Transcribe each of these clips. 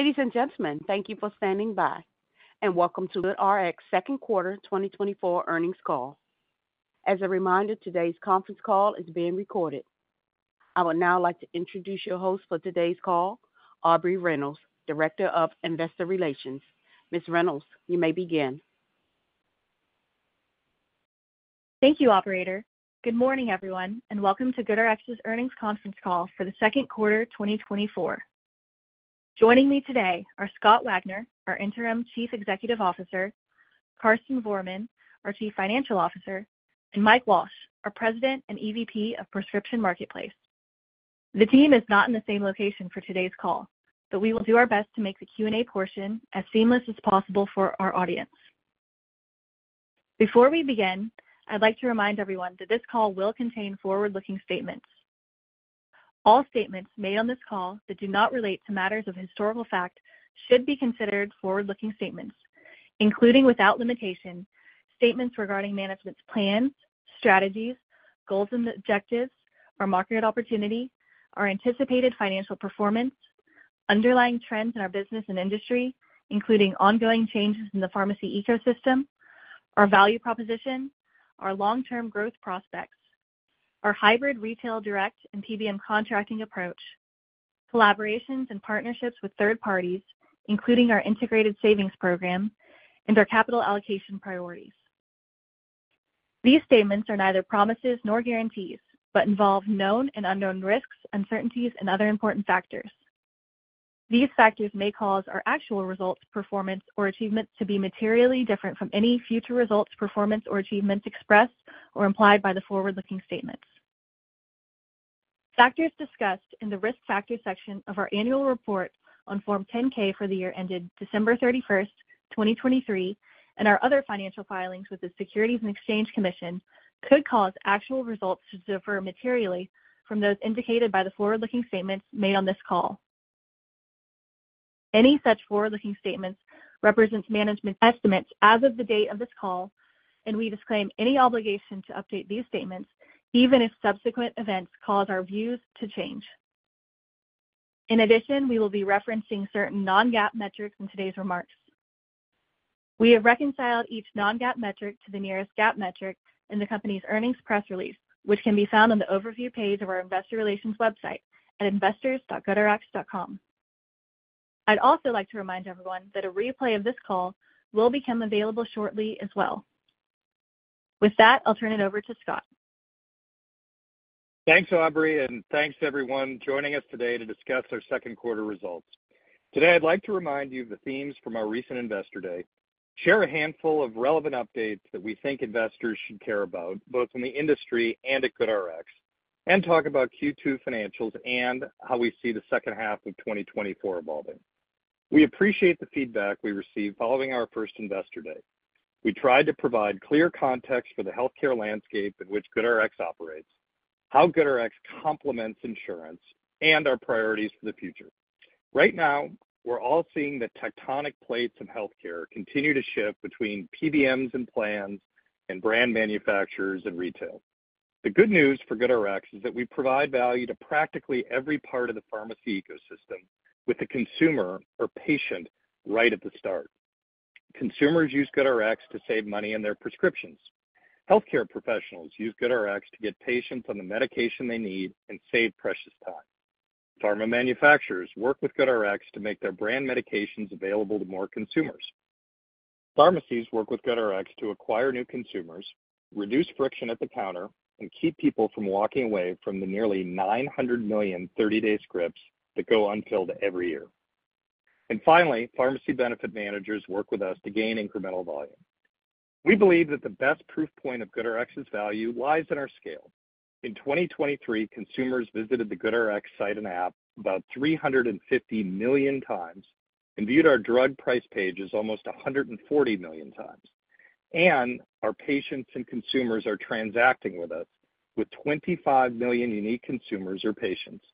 Ladies and gentlemen, thank you for standing by, and welcome to the GoodRx second quarter 2024 earnings call. As a reminder, today's conference call is being recorded. I would now like to introduce your host for today's call, Aubrey Reynolds, Director of Investor Relations. Ms. Reynolds, you may begin. Thank you, operator. Good morning, everyone, and welcome to GoodRx's earnings conference call for the second quarter 2024. Joining me today are Scott Wagner, our Interim Chief Executive Officer, Karsten Voermann, our Chief Financial Officer, and Mike Walsh, our President and EVP of Prescription Marketplace. The team is not in the same location for today's call, but we will do our best to make the Q&A portion as seamless as possible for our audience. Before we begin, I'd like to remind everyone that this call will contain forward-looking statements. All statements made on this call that do not relate to matters of historical fact should be considered forward-looking statements, including, without limitation, statements regarding management's plans, strategies, goals and objectives, our market opportunity, our anticipated financial performance, underlying trends in our business and industry, including ongoing changes in the pharmacy ecosystem, our value proposition, our long-term growth prospects, our hybrid retail direct and PBM contracting approach, collaborations and partnerships with third parties, including our integrated savings program and our capital allocation priorities. These statements are neither promises nor guarantees, but involve known and unknown risks, uncertainties, and other important factors. These factors may cause our actual results, performance, or achievements to be materially different from any future results, performance, or achievements expressed or implied by the forward-looking statements. Factors discussed in the Risk Factors section of our annual report on Form 10-K for the year ended December 31st, 2023, and our other financial filings with the Securities and Exchange Commission could cause actual results to differ materially from those indicated by the forward-looking statements made on this call. Any such forward-looking statements represents management's estimates as of the date of this call, and we disclaim any obligation to update these statements, even if subsequent events cause our views to change. In addition, we will be referencing certain non-GAAP metrics in today's remarks. We have reconciled each non-GAAP metric to the nearest GAAP metric in the company's earnings press release, which can be found on the overview page of our investor relations website at investors.goodrx.com. I'd also like to remind everyone that a replay of this call will become available shortly as well. With that, I'll turn it over to Scott. Thanks, Aubrey, and thanks to everyone joining us today to discuss our second quarter results. Today, I'd like to remind you of the themes from our recent Investor Day, share a handful of relevant updates that we think investors should care about, both in the industry and at GoodRx, and talk about Q2 financials and how we see the second half of 2024 evolving. We appreciate the feedback we received following our first Investor Day. We tried to provide clear context for the healthcare landscape in which GoodRx operates, how GoodRx complements insurance, and our priorities for the future. Right now, we're all seeing the tectonic plates of healthcare continue to shift between PBMs and plans, and brand manufacturers and retail. The good news for GoodRx is that we provide value to practically every part of the pharmacy ecosystem, with the consumer or patient right at the start. Consumers use GoodRx to save money on their prescriptions. Healthcare professionals use GoodRx to get patients on the medication they need and save precious time. Pharma manufacturers work with GoodRx to make their brand medications available to more consumers. Pharmacies work with GoodRx to acquire new consumers, reduce friction at the counter, and keep people from walking away from the nearly 900 million 30-day scripts that go unfilled every year. And finally, pharmacy benefit managers work with us to gain incremental volume. We believe that the best proof point of GoodRx's value lies in our scale. In 2023, consumers visited the GoodRx site and app about 350 million times and viewed our drug price pages almost 140 million times. Our patients and consumers are transacting with us, with 25 million unique consumers or patients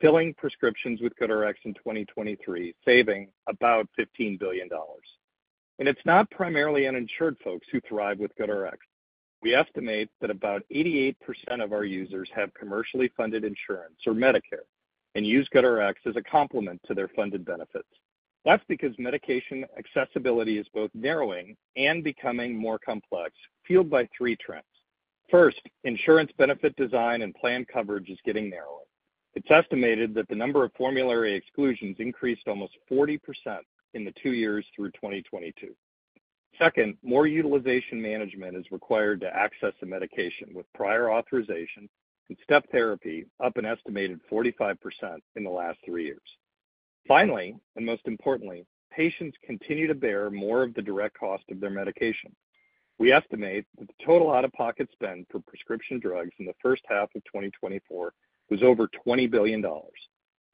filling prescriptions with GoodRx in 2023, saving about $15 billion. It's not primarily uninsured folks who thrive with GoodRx. We estimate that about 88% of our users have commercially funded insurance or Medicare and use GoodRx as a complement to their funded benefits. That's because medication accessibility is both narrowing and becoming more complex, fueled by three trends. First, insurance benefit design and plan coverage is getting narrower. It's estimated that the number of formulary exclusions increased almost 40% in the two years through 2022. Second, more utilization management is required to access a medication, with prior authorization and step therapy up an estimated 45% in the last three years. Finally, and most importantly, patients continue to bear more of the direct cost of their medication. We estimate that the total out-of-pocket spend for prescription drugs in the first half of 2024 was over $20 billion.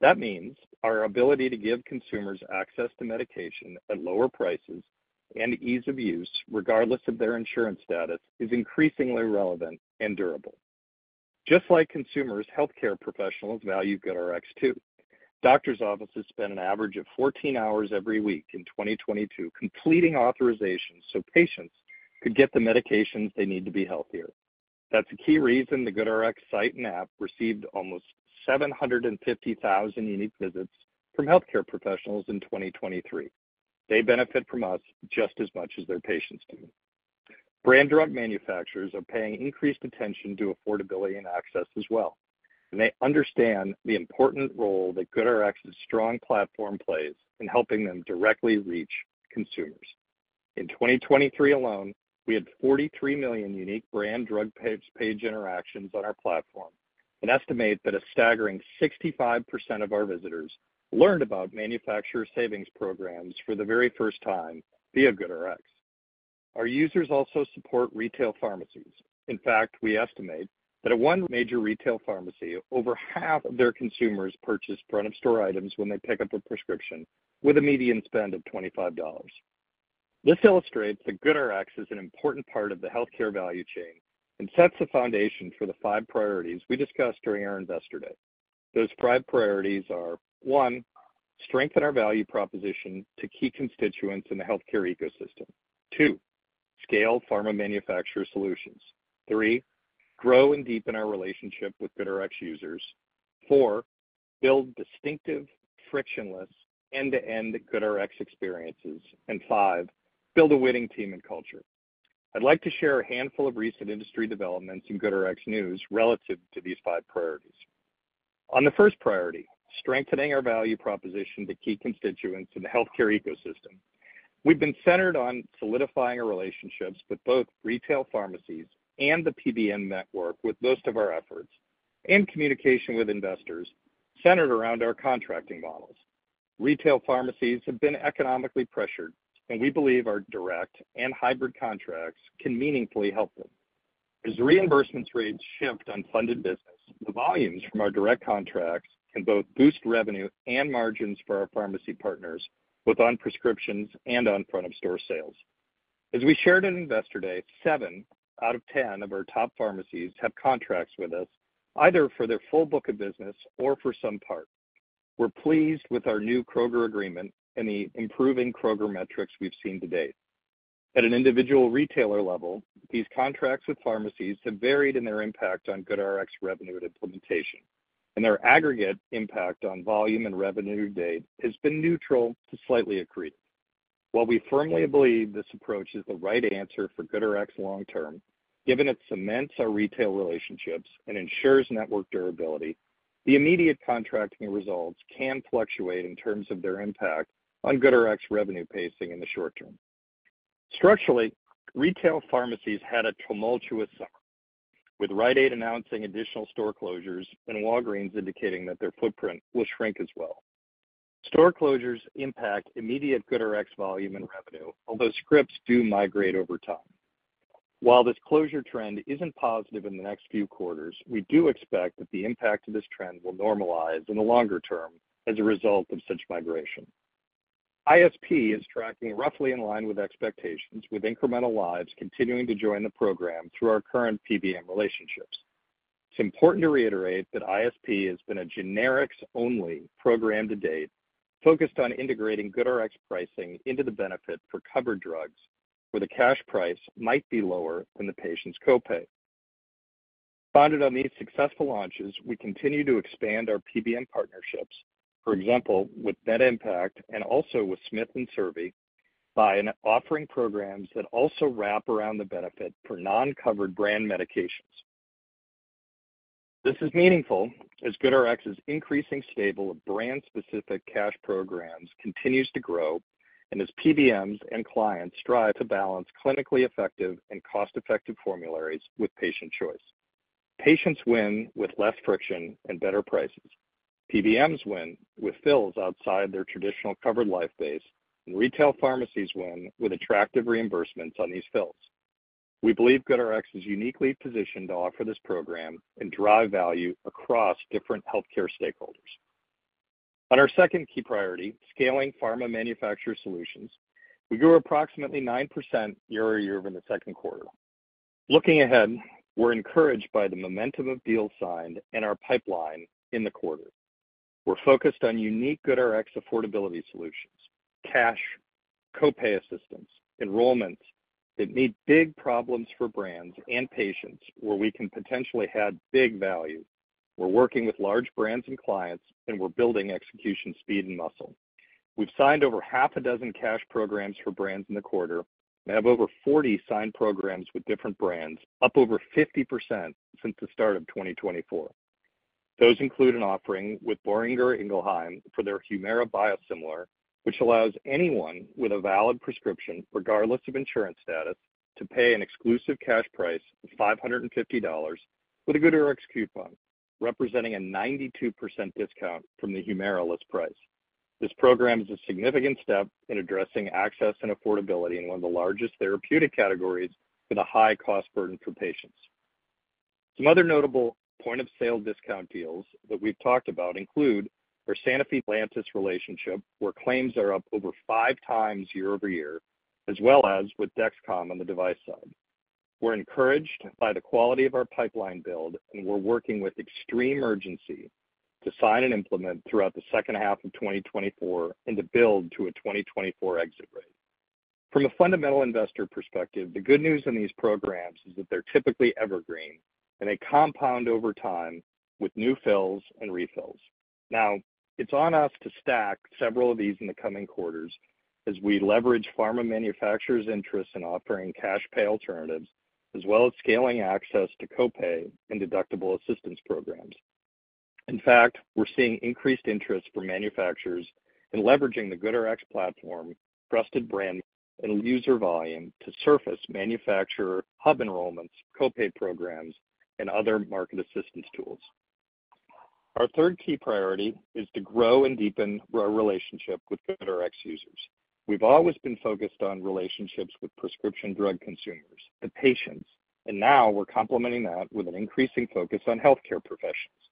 That means our ability to give consumers access to medication at lower prices and ease of use, regardless of their insurance status, is increasingly relevant and durable. Just like consumers, healthcare professionals value GoodRx, too. Doctors' offices spent an average of 14 hours every week in 2022 completing authorizations so patients could get the medications they need to be healthier. That's a key reason the GoodRx site and app received almost 750,000 unique visits from healthcare professionals in 2023. They benefit from us just as much as their patients do. Brand drug manufacturers are paying increased attention to affordability and access as well, and they understand the important role that GoodRx's strong platform plays in helping them directly reach consumers. In 2023 alone, we had 43 million unique brand drug page interactions on our platform and estimate that a staggering 65% of our visitors learned about manufacturer savings programs for the very first time via GoodRx. Our users also support retail pharmacies. In fact, we estimate that at one major retail pharmacy, over half of their consumers purchase front of store items when they pick up a prescription, with a median spend of $25. This illustrates that GoodRx is an important part of the healthcare value chain and sets the foundation for the five priorities we discussed during our Investor Day. Those five priorities are: one, strengthen our value proposition to key constituents in the healthcare ecosystem. Two, scale pharma manufacturer solutions. Three, grow and deepen our relationship with GoodRx users. Four, build distinctive, frictionless, end-to-end GoodRx experiences. And five, build a winning team and culture. I'd like to share a handful of recent industry developments in GoodRx news relative to these five priorities. On the first priority, strengthening our value proposition to key constituents in the healthcare ecosystem. We've been centered on solidifying our relationships with both retail pharmacies and the PBM network, with most of our efforts and communication with investors centered around our contracting models. Retail pharmacies have been economically pressured, and we believe our direct and hybrid contracts can meaningfully help them. As reimbursement rates shift on funded business, the volumes from our direct contracts can both boost revenue and margins for our pharmacy partners, both on prescriptions and on front of store sales. As we shared in Investor Day, seven out of ten of our top pharmacies have contracts with us, either for their full book of business or for some part. We're pleased with our new Kroger agreement and the improving Kroger metrics we've seen to date. At an individual retailer level, these contracts with pharmacies have varied in their impact on GoodRx revenue at implementation, and their aggregate impact on volume and revenue to date has been neutral to slightly accretive. While we firmly believe this approach is the right answer for GoodRx long term, given it cements our retail relationships and ensures network durability, the immediate contracting results can fluctuate in terms of their impact on GoodRx's revenue pacing in the short term. Structurally, retail pharmacies had a tumultuous summer, with Rite Aid announcing additional store closures and Walgreens indicating that their footprint will shrink as well. Store closures impact immediate GoodRx volume and revenue, although scripts do migrate over time. While this closure trend isn't positive in the next few quarters, we do expect that the impact of this trend will normalize in the longer term as a result of such migration. ISP is tracking roughly in line with expectations, with incremental lives continuing to join the program through our current PBM relationships. It's important to reiterate that ISP has been a generics-only program to date, focused on integrating GoodRx pricing into the benefit for covered drugs, where the cash price might be lower than the patient's copay. Founded on these successful launches, we continue to expand our PBM partnerships, for example, with MedImpact and also with SmithRx and Serve You, by offering programs that also wrap around the benefit for non-covered brand medications. This is meaningful as GoodRx's increasing stable of brand-specific cash programs continues to grow, and as PBMs and clients strive to balance clinically effective and cost-effective formularies with patient choice. Patients win with less friction and better prices. PBMs win with fills outside their traditional covered life base, and retail pharmacies win with attractive reimbursements on these fills. We believe GoodRx is uniquely positioned to offer this program and drive value across different healthcare stakeholders. On our second key priority, scaling pharma manufacturer solutions, we grew approximately 9% year-over-year in the second quarter. Looking ahead, we're encouraged by the momentum of deals signed and our pipeline in the quarter. We're focused on unique GoodRx affordability solutions, cash, copay assistance, enrollments that meet big problems for brands and patients where we can potentially add big value. We're working with large brands and clients, and we're building execution, speed, and muscle. We've signed over 6 cash programs for brands in the quarter and have over 40 signed programs with different brands, up over 50% since the start of 2024. Those include an offering with Boehringer Ingelheim for their Humira biosimilar, which allows anyone with a valid prescription, regardless of insurance status, to pay an exclusive cash price of $550 with a GoodRx coupon, representing a 92% discount from the Humira list price. This program is a significant step in addressing access and affordability in one of the largest therapeutic categories with a high cost burden for patients. Some other notable point-of-sale discount deals that we've talked about include our Sanofi Lantus relationship, where claims are up over five times year-over-year, as well as with Dexcom on the device side. We're encouraged by the quality of our pipeline build, and we're working with extreme urgency to sign and implement throughout the second half of 2024 and to build to a 2024 exit rate, from a fundamental investor perspective, the good news in these programs is that they're typically evergreen, and they compound over time with new fills and refills. Now, it's on us to stack several of these in the coming quarters as we leverage pharma manufacturers' interest in offering cash pay alternatives, as well as scaling access to copay and deductible assistance programs. In fact, we're seeing increased interest from manufacturers in leveraging the GoodRx platform, trusted brand, and user volume to surface manufacturer hub enrollments, copay programs, and other market assistance tools. Our third key priority is to grow and deepen our relationship with GoodRx users. We've always been focused on relationships with prescription drug consumers and patients, and now we're complementing that with an increasing focus on healthcare professionals.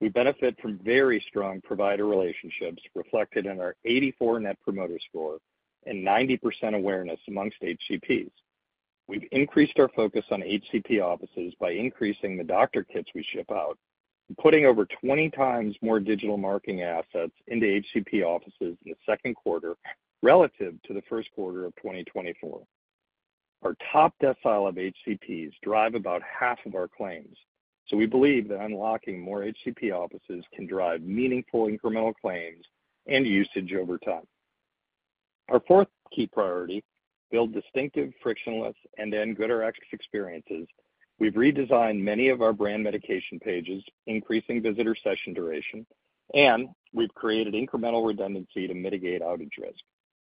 We benefit from very strong provider relationships, reflected in our 84 Net Promoter Score and 90% awareness amongst HCPs. We've increased our focus on HCP offices by increasing the doctor kits we ship out and putting over 20 times more digital marketing assets into HCP offices in the second quarter relative to the first quarter of 2024. Our top decile of HCPs drive about half of our claims, so we believe that unlocking more HCP offices can drive meaningful incremental claims and usage over time. Our fourth key priority, build distinctive, frictionless, and end-to-end GoodRx experiences. We've redesigned many of our brand medication pages, increasing visitor session duration, and we've created incremental redundancy to mitigate outage risk.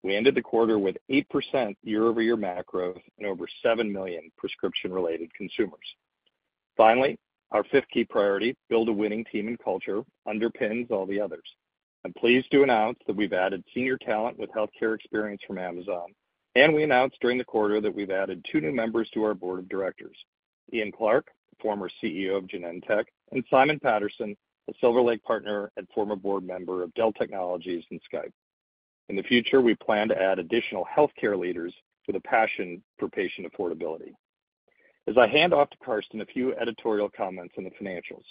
We ended the quarter with 8% year-over-year MAC growth and over 7 million prescription-related consumers. Finally, our fifth key priority, build a winning team and culture, underpins all the others. I'm pleased to announce that we've added senior talent with healthcare experience from Amazon, and we announced during the quarter that we've added 2 new members to our board of directors: Ian Clark, former CEO of Genentech, and Simon Patterson, a Silver Lake partner and former board member of Dell Technologies and Skype. In the future, we plan to add additional healthcare leaders with a passion for patient affordability. As I hand off to Karsten, a few editorial comments on the financials.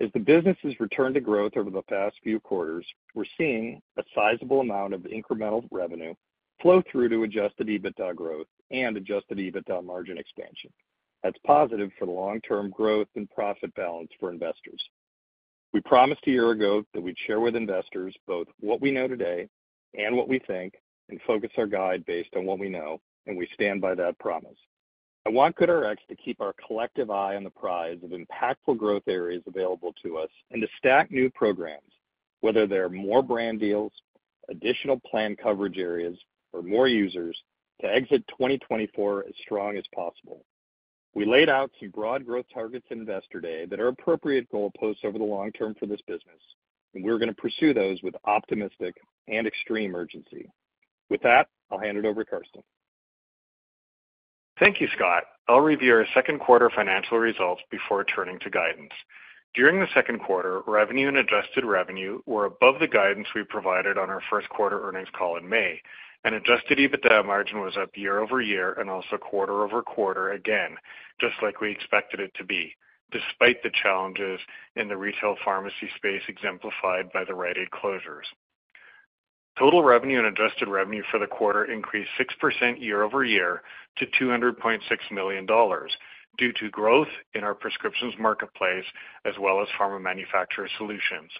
As the business has returned to growth over the past few quarters, we're seeing a sizable amount of incremental revenue flow through to Adjusted EBITDA growth and Adjusted EBITDA margin expansion. That's positive for the long-term growth and profit balance for investors. We promised a year ago that we'd share with investors both what we know today and what we think, and focus our guide based on what we know, and we stand by that promise. I want GoodRx to keep our collective eye on the prize of impactful growth areas available to us and to stack new programs, whether they're more brand deals, additional plan coverage areas, or more users, to exit 2024 as strong as possible. We laid out some broad growth targets at Investor Day that are appropriate goalposts over the long term for this business, and we're gonna pursue those with optimistic and extreme urgency. With that, I'll hand it over to Karsten. Thank you, Scott. I'll review our second quarter financial results before turning to guidance. During the second quarter, revenue and adjusted revenue were above the guidance we provided on our first quarter earnings call in May, and adjusted EBITDA margin was up year-over-year and also quarter-over-quarter again, just like we expected it to be, despite the challenges in the retail pharmacy space, exemplified by the Rite Aid closures. Total revenue and adjusted revenue for the quarter increased 6% year-over-year to $200.6 million, due to growth in our prescriptions marketplace as well as pharma manufacturer solutions.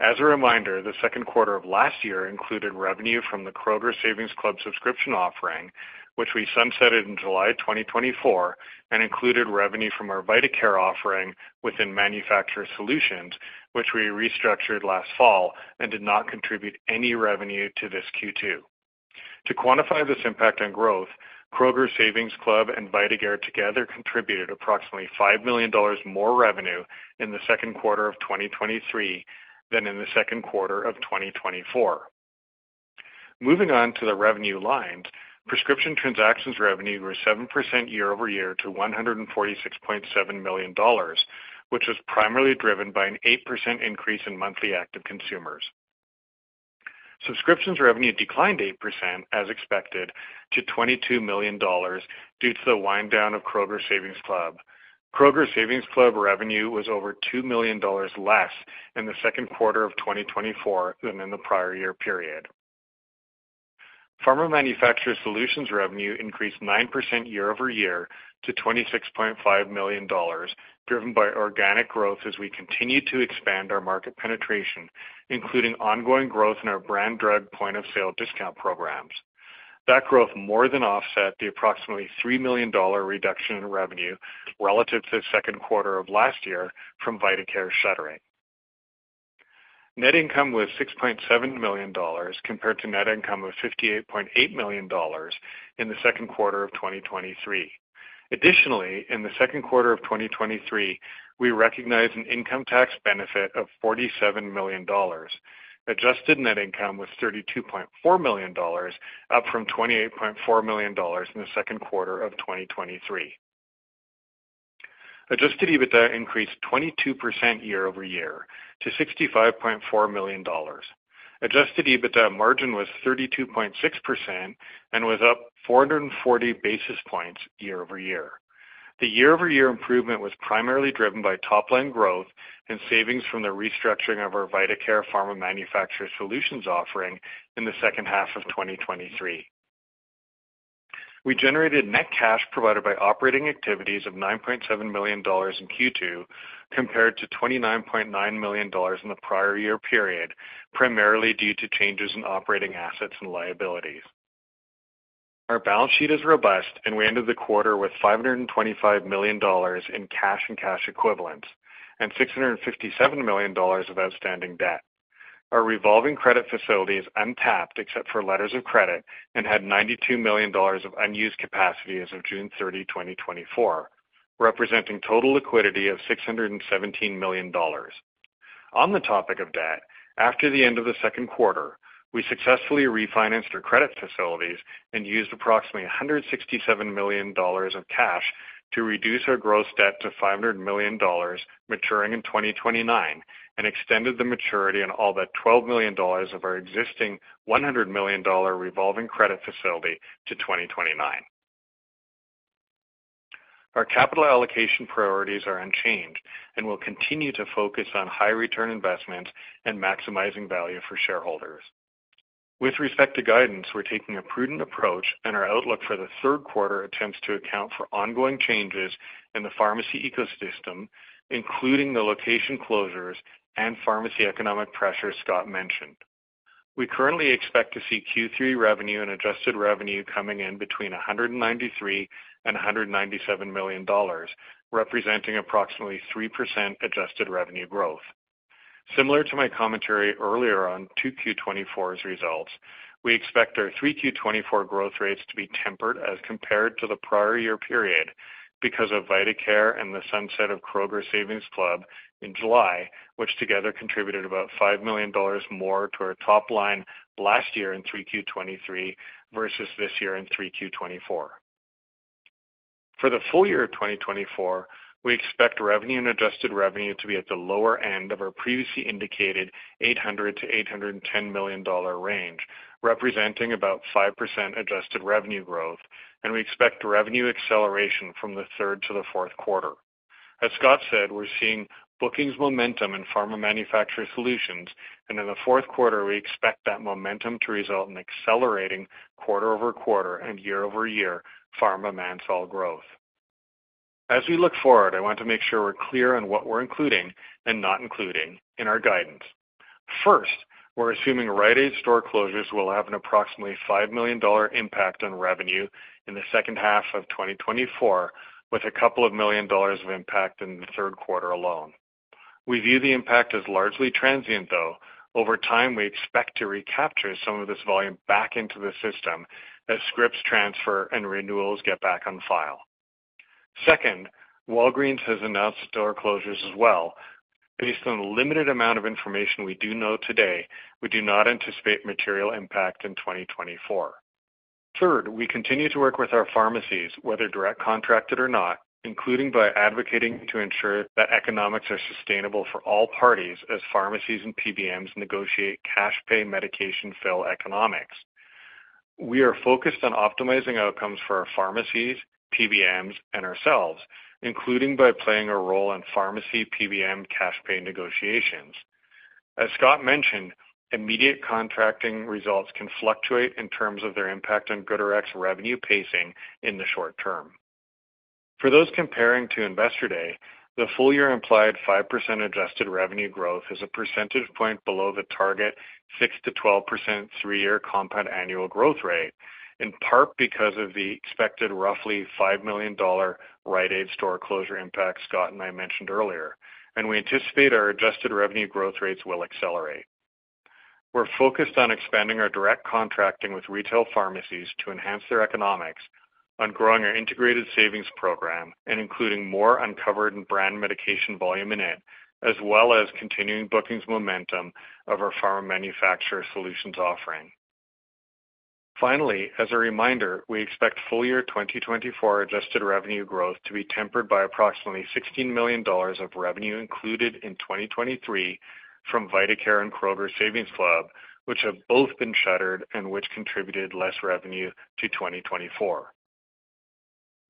As a reminder, the second quarter of last year included revenue from the Kroger Savings Club subscription offering, which we sunsetted in July 2024, and included revenue from our VitaCare offering within Manufacturer Solutions, which we restructured last fall and did not contribute any revenue to this Q2. To quantify this impact on growth, Kroger Savings Club and VitaCare together contributed approximately $5 million more revenue in the second quarter of 2023 than in the second quarter of 2024. Moving on to the revenue lines, prescription transactions revenue was 7% year-over-year to $146.7 million, which was primarily driven by an 8% increase in monthly active consumers. Subscriptions revenue declined 8%, as expected, to $22 million, due to the wind down of Kroger Savings Club. Kroger Savings Club revenue was over $2 million less in the second quarter of 2024 than in the prior year period. Pharma Manufacturer Solutions revenue increased 9% year-over-year to $26.5 million, driven by organic growth as we continue to expand our market penetration, including ongoing growth in our brand drug point-of-sale discount programs. That growth more than offset the approximately $3 million reduction in revenue relative to the second quarter of last year from VitaCare shuttering. Net income was $6.7 million, compared to net income of $58.8 million in the second quarter of 2023. Additionally, in the second quarter of 2023, we recognized an income tax benefit of $47 million. Adjusted net income was $32.4 million, up from $28.4 million in the second quarter of 2023. Adjusted EBITDA increased 22% year-over-year to $65.4 million. Adjusted EBITDA margin was 32.6% and was up 440 basis points year-over-year. The year-over-year improvement was primarily driven by top-line growth and savings from the restructuring of our VitaCare Pharma Manufacturer Solutions offering in the second half of 2023. We generated net cash provided by operating activities of $9.7 million in Q2, compared to $29.9 million in the prior year period, primarily due to changes in operating assets and liabilities. Our balance sheet is robust, and we ended the quarter with $525 million in cash and cash equivalents, and $657 million of outstanding debt. Our revolving credit facility is untapped, except for letters of credit, and had $92 million of unused capacity as of June 30, 2024, representing total liquidity of $617 million. On the topic of debt, after the end of the second quarter, we successfully refinanced our credit facilities and used approximately $167 million of cash to reduce our gross debt to $500 million, maturing in 2029, and extended the maturity on all but $12 million of our existing $100 million revolving credit facility to 2029. Our capital allocation priorities are unchanged, and we'll continue to focus on high return investments and maximizing value for shareholders. With respect to guidance, we're taking a prudent approach, and our outlook for the third quarter attempts to account for ongoing changes in the pharmacy ecosystem, including the location closures and pharmacy economic pressures Scott mentioned. We currently expect to see Q3 revenue and adjusted revenue coming in between $193 million and $197 million, representing approximately 3% adjusted revenue growth. Similar to my commentary earlier on 2Q 2024's results, we expect our 3Q 2024 growth rates to be tempered as compared to the prior year period, because of VitaCare and the sunset of Kroger Savings Club in July, which together contributed about $5 million more to our top line last year in 3Q 2023 versus this year in 3Q 2024. For the full year of 2024, we expect revenue and adjusted revenue to be at the lower end of our previously indicated $800 million-$810 million range, representing about 5% adjusted revenue growth, and we expect revenue acceleration from the third to the fourth quarter. As Scott said, we're seeing bookings momentum in pharma manufacturer solutions, and in the fourth quarter, we expect that momentum to result in accelerating quarter-over-quarter and year-over-year pharma manufacturer growth. As we look forward, I want to make sure we're clear on what we're including and not including in our guidance. First, we're assuming Rite Aid store closures will have an approximately $5 million impact on revenue in the second half of 2024, with a couple of million dollars of impact in the third quarter alone. We view the impact as largely transient, though. Over time, we expect to recapture some of this volume back into the system as scripts transfer and renewals get back on file. Second, Walgreens has announced store closures as well. Based on the limited amount of information we do know today, we do not anticipate material impact in 2024. Third, we continue to work with our pharmacies, whether direct, contracted or not, including by advocating to ensure that economics are sustainable for all parties as pharmacies and PBMs negotiate cash pay medication fill economics. We are focused on optimizing outcomes for our pharmacies, PBMs, and ourselves, including by playing a role in pharmacy PBM cash pay negotiations. As Scott mentioned, immediate contracting results can fluctuate in terms of their impact on GoodRx revenue pacing in the short term. For those comparing to Investor Day, the full year implied 5% adjusted revenue growth is a percentage point below the target, 6%-12% three-year compound annual growth rate, in part because of the expected roughly $5 million Rite Aid store closure impact Scott and I mentioned earlier, and we anticipate our adjusted revenue growth rates will accelerate. We're focused on expanding our direct contracting with retail pharmacies to enhance their economics, on growing our integrated savings program and including more uncovered and brand medication volume in it, as well as continuing bookings momentum of our pharma manufacturer solutions offering. Finally, as a reminder, we expect full year 2024 adjusted revenue growth to be tempered by approximately $16 million of revenue included in 2023 from VitaCare and Kroger Savings Club, which have both been shuttered and which contributed less revenue to 2024.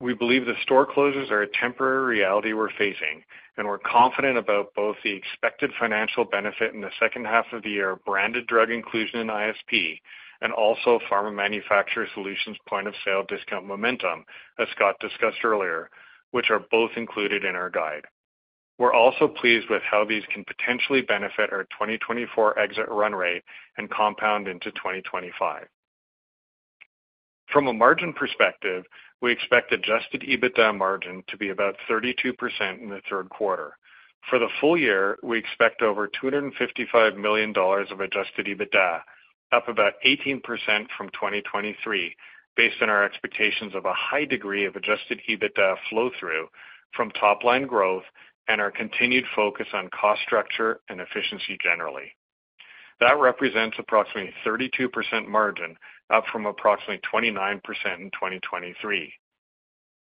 We believe the store closures are a temporary reality we're facing, and we're confident about both the expected financial benefit in the second half of the year, branded drug inclusion in ISP, and also pharma manufacturer solutions point of sale discount momentum, as Scott discussed earlier, which are both included in our guide. We're also pleased with how these can potentially benefit our 2024 exit run rate and compound into 2025. From a margin perspective, we expect adjusted EBITDA margin to be about 32% in the third quarter. For the full year, we expect over $255 million of adjusted EBITDA, up about 18% from 2023, based on our expectations of a high degree of adjusted EBITDA flow through from top-line growth and our continued focus on cost structure and efficiency generally. That represents approximately 32% margin, up from approximately 29% in 2023.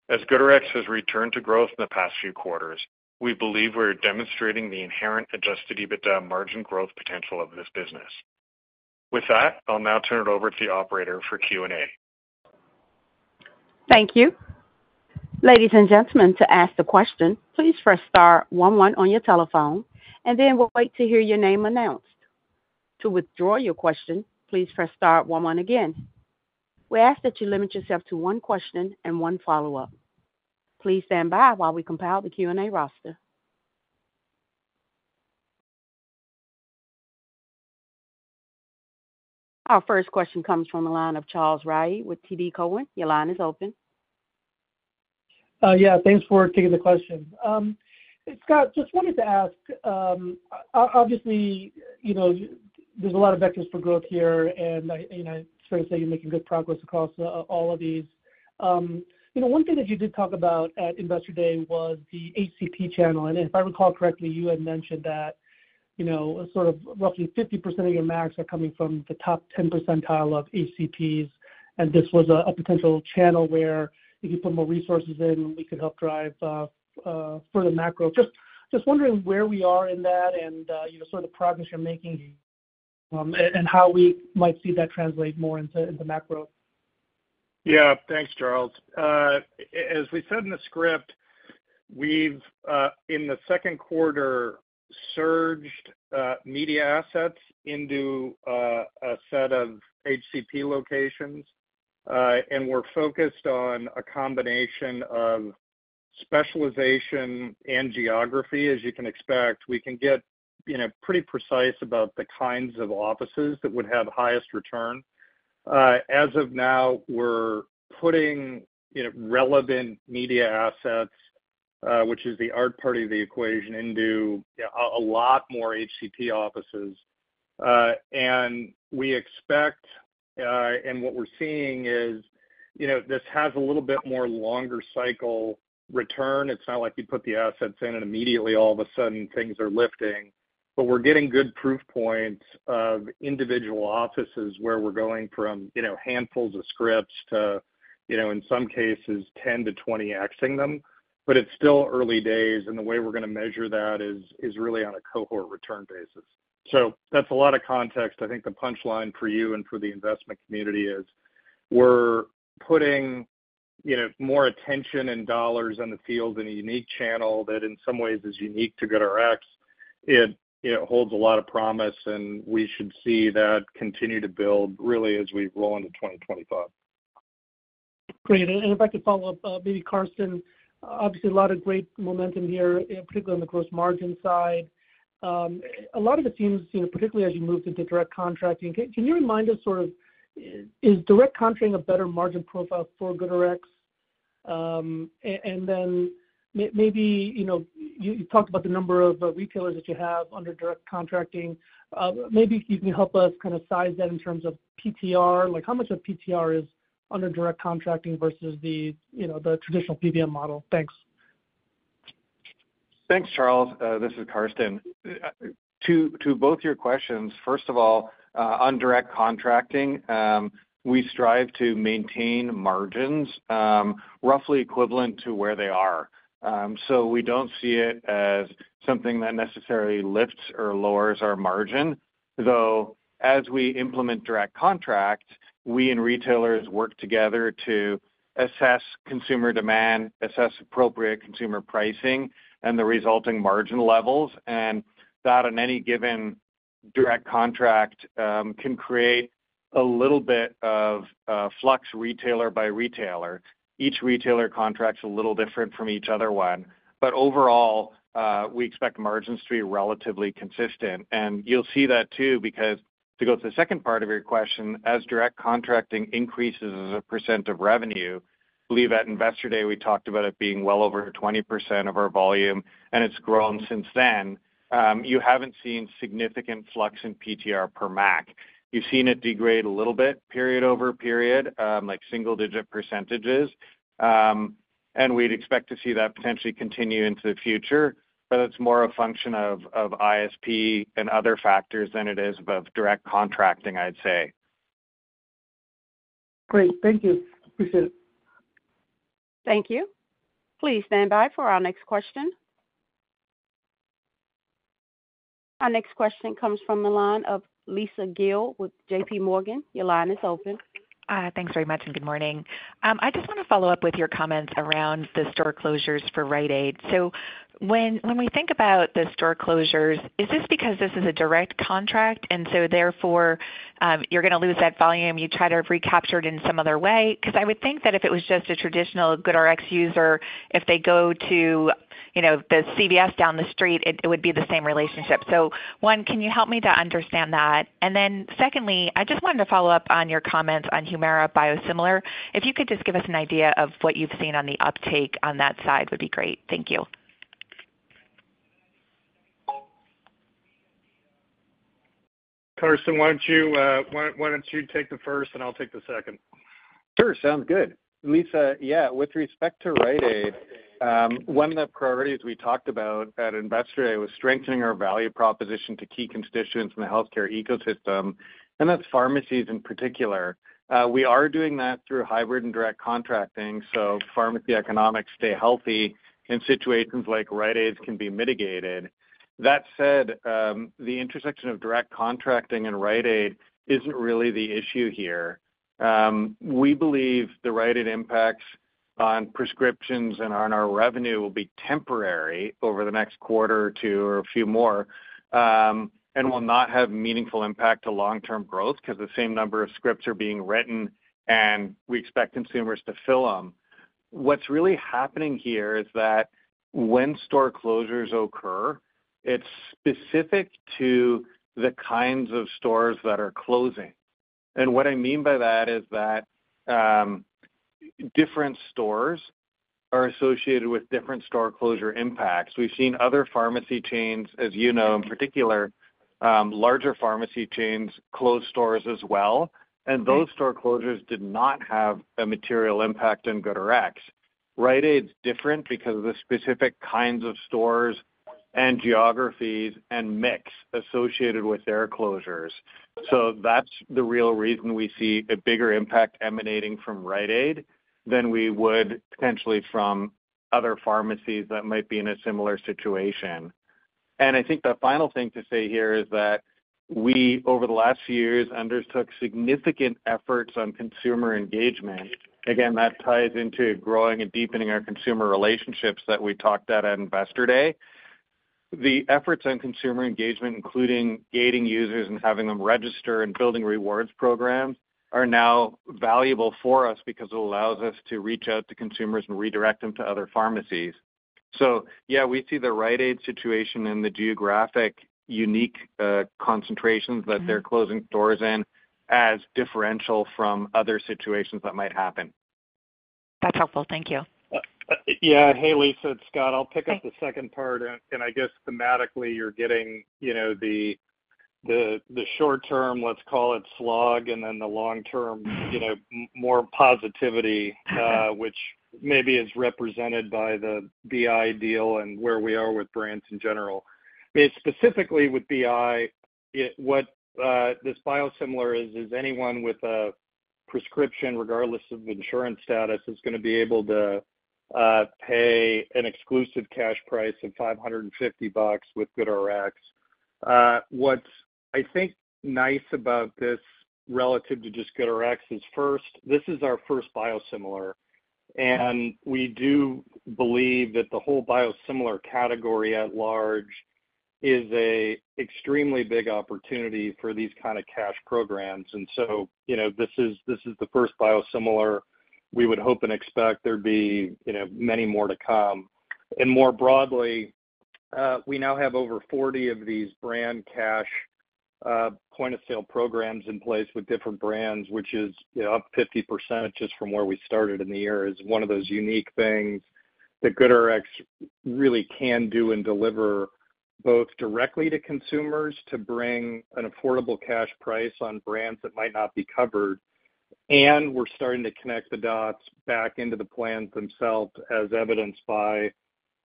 As GoodRx has returned to growth in the past few quarters, we believe we're demonstrating the inherent Adjusted EBITDA margin growth potential of this business. With that, I'll now turn it over to the operator for Q&A. Thank you. Ladies and gentlemen, to ask a question, please press star one one on your telephone, and then we'll wait to hear your name announced. To withdraw your question, please press star one one again. We ask that you limit yourself to one question and one follow-up. Please stand by while we compile the Q&A roster. Our first question comes from the line of Charles Rhyee with TD Cowen. Your line is open. Yeah, thanks for taking the question. Scott, just wanted to ask, obviously, you know, there's a lot of vectors for growth here, and I, you know, it's fair to say you're making good progress across all of these. You know, one thing that you did talk about at Investor Day was the HCP channel, and if I recall correctly, you had mentioned that, you know, sort of roughly 50% of your MACs are coming from the top 10 percentile of HCPs, and this was a potential channel where you could put more resources in, and we could help drive further MAC growth. Just wondering where we are in that and, you know, sort of the progress you're making, and how we might see that translate more into MAC growth. Yeah, thanks, Charles. As we said in the script, we've in the second quarter, surged media assets into a set of HCP locations, and we're focused on a combination of specialization and geography. As you can expect, we can get, you know, pretty precise about the kinds of offices that would have highest return. As of now, we're putting, you know, relevant media assets, which is the hard part of the equation, into a lot more HCP offices. And we expect, and what we're seeing is, you know, this has a little bit more longer cycle return. It's not like you put the assets in and immediately, all of a sudden, things are lifting. But we're getting good proof points of individual offices where we're going from, you know, handfuls of scripts to, you know, in some cases, 10-20x-ing them. But it's still early days, and the way we're gonna measure that is, is really on a cohort return basis. So that's a lot of context. I think the punchline for you and for the investment community is, we're putting, you know, more attention and dollars in the field in a unique channel that, in some ways, is unique to GoodRx. It, it holds a lot of promise, and we should see that continue to build, really, as we roll into 2025. Great. If I could follow up, maybe Karsten, obviously, a lot of great momentum here, particularly on the gross margin side. A lot of it seems, you know, particularly as you move into direct contracting, can you remind us, sort of, is direct contracting a better margin profile for GoodRx? And then maybe, you know, you talked about the number of retailers that you have under direct contracting. Maybe you can help us kinda size that in terms of PTR. Like, how much of PTR is under direct contracting versus the, you know, the traditional PBM model? Thanks. Thanks, Charles. This is Karsten. To both your questions, first of all, on direct contracting, we strive to maintain margins, roughly equivalent to where they are. So we don't see it as something that necessarily lifts or lowers our margin, though, as we implement direct contract, we and retailers work together to assess consumer demand, assess appropriate consumer pricing and the resulting margin levels, and that, on any given direct contract, can create a little bit of flux, retailer by retailer. Each retailer contract's a little different from each other one. But overall, we expect margins to be relatively consistent. You'll see that, too, because to go to the second part of your question, as direct contracting increases as a % of revenue, believe at Investor Day, we talked about it being well over 20% of our volume, and it's grown since then, you haven't seen significant flux in PTR per mac. You've seen it degrade a little bit, period over period, like single-digit percentages, and we'd expect to see that potentially continue into the future, but it's more a function of ISP and other factors than it is of direct contracting, I'd say. Great. Thank you. Appreciate it. Thank you. Please stand by for our next question. Our next question comes from the line of Lisa Gill with J.P. Morgan. Your line is open. Thanks very much, and good morning. I just wanna follow up with your comments around the store closures for Rite Aid. So when, when we think about the store closures, is this because this is a direct contract, and so therefore, you're gonna lose that volume, you try to recapture it in some other way? 'Cause I would think that if it was just a traditional GoodRx user, if they go to, you know, the CVS down the street, it would be the same relationship. So one, can you help me to understand that? And then secondly, I just wanted to follow up on your comments on Humira biosimilar. If you could just give us an idea of what you've seen on the uptake on that side, would be great. Thank you. Karsten, why don't you take the first, and I'll take the second? Sure, sounds good. Lisa, yeah, with respect to Rite Aid. One of the priorities we talked about at Investor Day was strengthening our value proposition to key constituents in the healthcare ecosystem, and that's pharmacies in particular. We are doing that through hybrid and direct contracting, so pharmacy economics stay healthy in situations like Rite Aid can be mitigated. That said, the intersection of direct contracting and Rite Aid isn't really the issue here. We believe the Rite Aid impacts on prescriptions and on our revenue will be temporary over the next quarter or two or a few more, and will not have meaningful impact to long-term growth because the same number of scripts are being written, and we expect consumers to fill them. What's really happening here is that when store closures occur, it's specific to the kinds of stores that are closing. And what I mean by that is that, different stores are associated with different store closure impacts. We've seen other pharmacy chains, as you know, in particular, larger pharmacy chains, close stores as well, and those store closures did not have a material impact on GoodRx. Rite Aid's different because of the specific kinds of stores and geographies and mix associated with their closures. So that's the real reason we see a bigger impact emanating from Rite Aid than we would potentially from other pharmacies that might be in a similar situation. And I think the final thing to say here is that we, over the last few years, undertook significant efforts on consumer engagement. Again, that ties into growing and deepening our consumer relationships that we talked about at Investor Day. The efforts on consumer engagement, including gating users and having them register and building rewards programs, are now valuable for us because it allows us to reach out to consumers and redirect them to other pharmacies. So yeah, we see the Rite Aid situation and the geographic unique concentrations that they're closing stores in as differential from other situations that might happen. That's helpful. Thank you. Yeah. Hey, Lisa, it's Scott. Hey. I'll pick up the second part, and I guess thematically, you're getting, you know, the short term, let's call it slog, and then the long term, you know, more positivity, which maybe is represented by the BI deal and where we are with brands in general. Specifically with BI, what this biosimilar is is anyone with a prescription, regardless of insurance status, is gonna be able to pay an exclusive cash price of $550 with GoodRx. What's, I think, nice about this relative to just GoodRx is first, this is our first biosimilar, and we do believe that the whole biosimilar category at large is an extremely big opportunity for these kind of cash programs. And so, you know, this is, this is the first biosimilar. We would hope and expect there'd be, you know, many more to come. More broadly, we now have over 40 of these brand cash point-of-sale programs in place with different brands, which is, you know, up 50% just from where we started in the year. It's one of those unique things that GoodRx really can do and deliver, both directly to consumers to bring an affordable cash price on brands that might not be covered, and we're starting to connect the dots back into the plans themselves, as evidenced by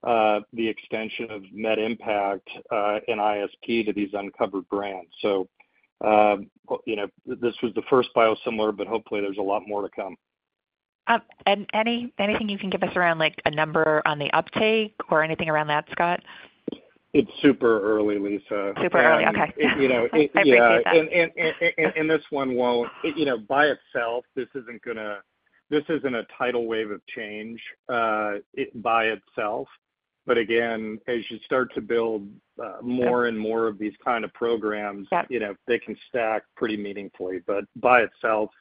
the extension of MedImpact in ISP to these uncovered brands. So, you know, this was the first biosimilar, but hopefully there's a lot more to come. Anything you can give us around, like, a number on the uptake or anything around that, Scott? It's super early, Lisa. Super early, okay. You know, yeah- I appreciate that. This one won't, you know, by itself, this isn't gonna, this isn't a tidal wave of change, it by itself. But again, as you start to build more- Yeah -and more of these kind of programs- Got it -you know, they can stack pretty meaningfully. But by itself,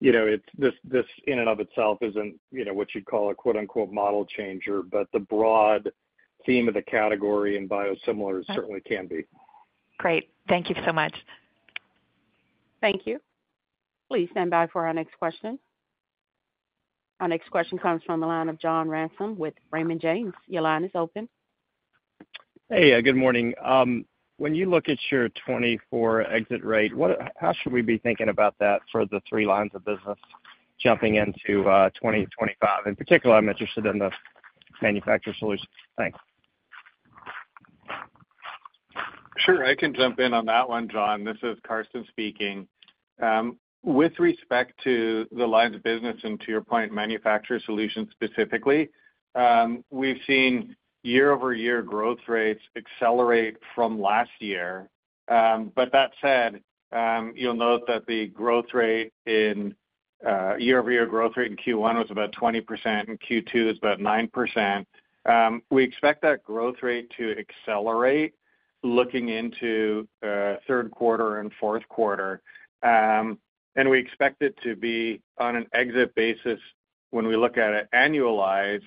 you know, it's, this in and of itself isn't, you know, what you'd call a, quote, unquote, "model changer," but the broad theme of the category and biosimilars certainly can be. Great. Thank you so much. Thank you. Please stand by for our next question. Our next question comes from the line of John Ransom with Raymond James. Your line is open. Hey, good morning. When you look at your 2024 exit rate, what, how should we be thinking about that for the three lines of business jumping into, 2025? In particular, I'm interested in the manufacturer solutions. Thanks. Sure. I can jump in on that one, John. This is Karsten speaking. With respect to the lines of business, and to your point, manufacturer solutions specifically, we've seen year-over-year growth rates accelerate from last year. But that said, you'll note that the growth rate in year-over-year growth rate in Q1 was about 20%, in Q2 is about 9%. We expect that growth rate to accelerate looking into third quarter and fourth quarter. And we expect it to be on an exit basis. When we look at it annualized,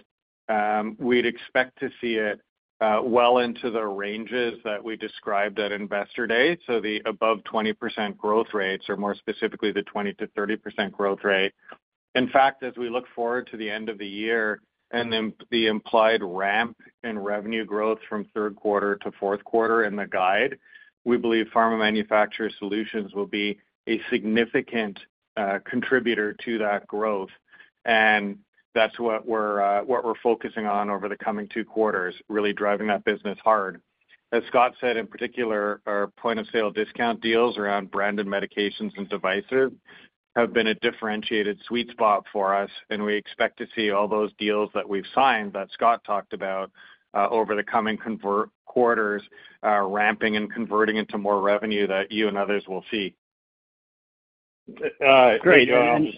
we'd expect to see it well into the ranges that we described at Investor Day. So the above 20% growth rates, or more specifically, the 20%-30% growth rate. In fact, as we look forward to the end of the year and then the implied ramp in revenue growth from third quarter to fourth quarter in the guide, we believe pharma manufacturer solutions will be a significant contributor to that growth, and that's what we're focusing on over the coming two quarters, really driving that business hard. As Scott said, in particular, our point of sale discount deals around branded medications and devices have been a differentiated sweet spot for us, and we expect to see all those deals that we've signed, that Scott talked about, over the coming couple quarters, ramping and converting into more revenue that you and others will see. Great. I'll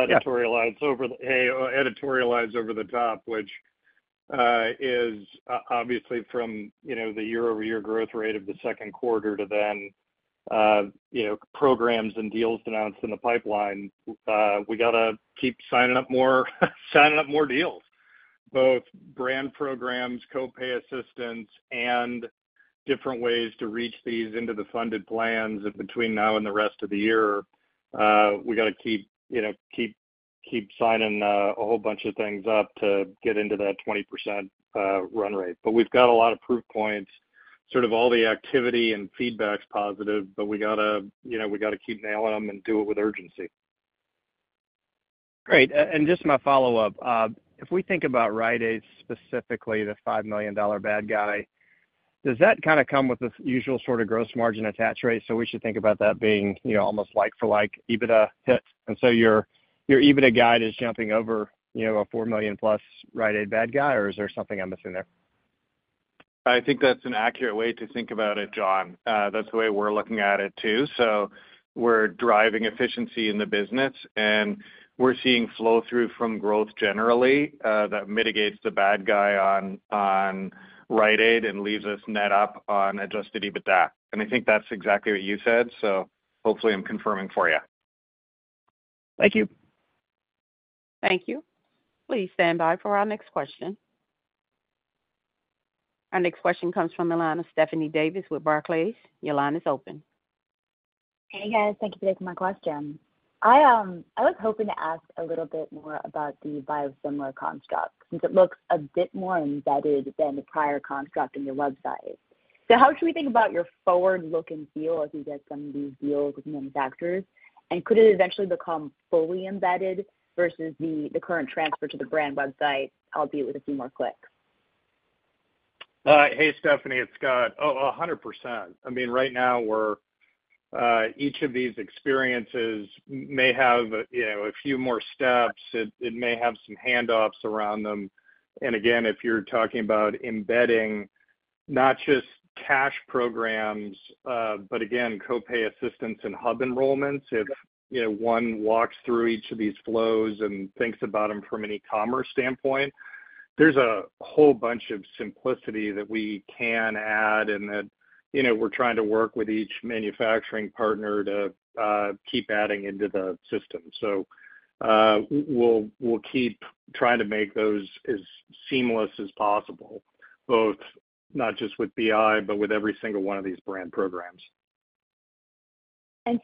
editorialize over the top, which is obviously from, you know, the year-over-year growth rate of the second quarter to then, you know, programs and deals announced in the pipeline. We gotta keep signing up more, signing up more deals, both brand programs, co-pay assistance, and different ways to reach these into the funded plans between now and the rest of the year. We gotta keep, you know, keep, keep signing a whole bunch of things up to get into that 20% run rate. But we've got a lot of proof points, sort of all the activity and feedback's positive, but we gotta, you know, we gotta keep nailing them and do it with urgency. Great. And just my follow-up. If we think about Rite Aid, specifically, the $5 million bad debt, does that kind of come with the usual sort of gross margin attach rate? So we should think about that being, you know, almost like for like, EBITDA hit, and so your, your EBITDA guide is jumping over, you know, a $4 million+ Rite Aid bad debt, or is there something I'm missing there? I think that's an accurate way to think about it, John. That's the way we're looking at it, too. So we're driving efficiency in the business, and we're seeing flow through from growth generally, that mitigates the bad guy on Rite Aid and leaves us net up on Adjusted EBITDA. And I think that's exactly what you said, so hopefully I'm confirming for you. Thank you. Thank you. Please stand by for our next question. Our next question comes from the line of Stephanie Davis with Barclays. Your line is open. Hey, guys. Thank you for taking my question. I, I was hoping to ask a little bit more about the biosimilar construct, since it looks a bit more embedded than the prior construct in your website. So how should we think about your forward look and feel as you get some of these deals with manufacturers? And could it eventually become fully embedded versus the, the current transfer to the brand website, albeit with a few more clicks? Hey, Stephanie, it's Scott. Oh, 100%. I mean, right now, we're each of these experiences may have, you know, a few more steps. It may have some handoffs around them. And again, if you're talking about embedding not just cash programs, but again, co-pay assistance and hub enrollments, if you know, one walks through each of these flows and thinks about them from an e-commerce standpoint, there's a whole bunch of simplicity that we can add and that, you know, we're trying to work with each manufacturing partner to keep adding into the system. So, we'll keep trying to make those as seamless as possible, both not just with BI, but with every single one of these brand programs.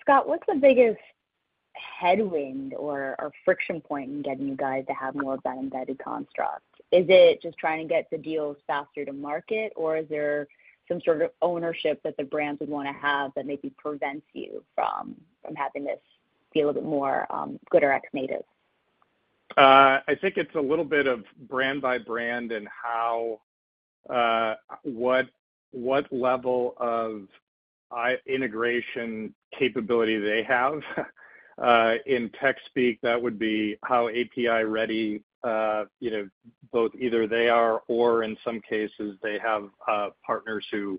Scott, what's the biggest headwind or, or friction point in getting you guys to have more of that embedded construct? Is it just trying to get the deals faster to market, or is there some sort of ownership that the brands would want to have that maybe prevents you from, from having this be a little bit more, GoodRx native? I think it's a little bit of brand by brand and how what level of integration capability they have. In tech speak, that would be how API ready you know both either they are or in some cases they have partners who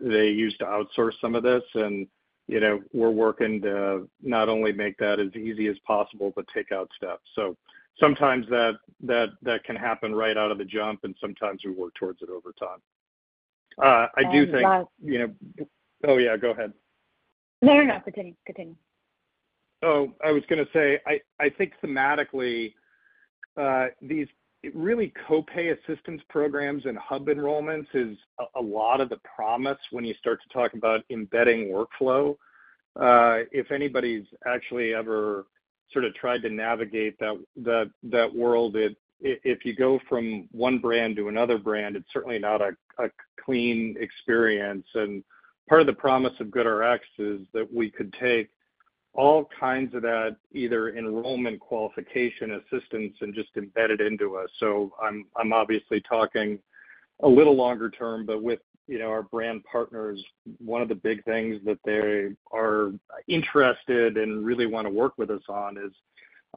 they use to outsource some of this. And you know we're working to not only make that as easy as possible but take out steps. So sometimes that can happen right out of the jump and sometimes we work towards it over time. I do think you know- Uh, last- Oh, yeah, go ahead. No, no, continue, continue. So I was gonna say, I think thematically, these really co-pay assistance programs and hub enrollments is a lot of the promise when you start to talk about embedding workflow. If anybody's actually ever sort of tried to navigate that world, it, if you go from one brand to another brand, it's certainly not a clean experience. And part of the promise of GoodRx is that we could take all kinds of that, either enrollment, qualification, assistance, and just embed it into us. So I'm obviously talking a little longer term, but with, you know, our brand partners, one of the big things that they are interested and really want to work with us on is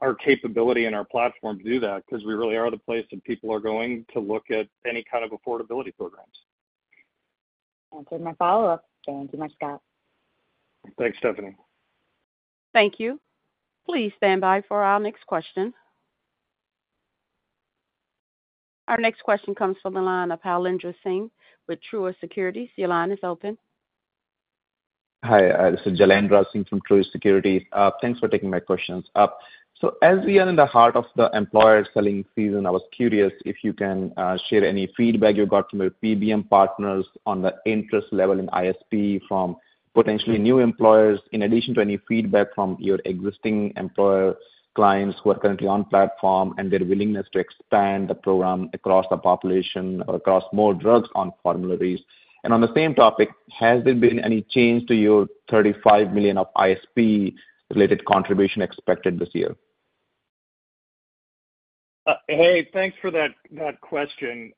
our capability and our platform to do that because we really are the place that people are going to look at any kind of affordability programs. Answered my follow-up. Thank you much, Scott. Thanks, Stephanie. Thank you. Please stand by for our next question. Our next question comes from the line of Jailendra Singh with Truist Securities. Your line is open. Hi, this is Jailendra Singh from Truist Securities. Thanks for taking my questions. So as we are in the heart of the employer selling season, I was curious if you can share any feedback you got from your PBM partners on the interest level in ISP from potentially new employers, in addition to any feedback from your existing employer clients who are currently on platform, and their willingness to expand the program across the population or across more drugs on formularies? And on the same topic, has there been any change to your $35 million of ISP-related contribution expected this year? Hey, thanks for that, that question.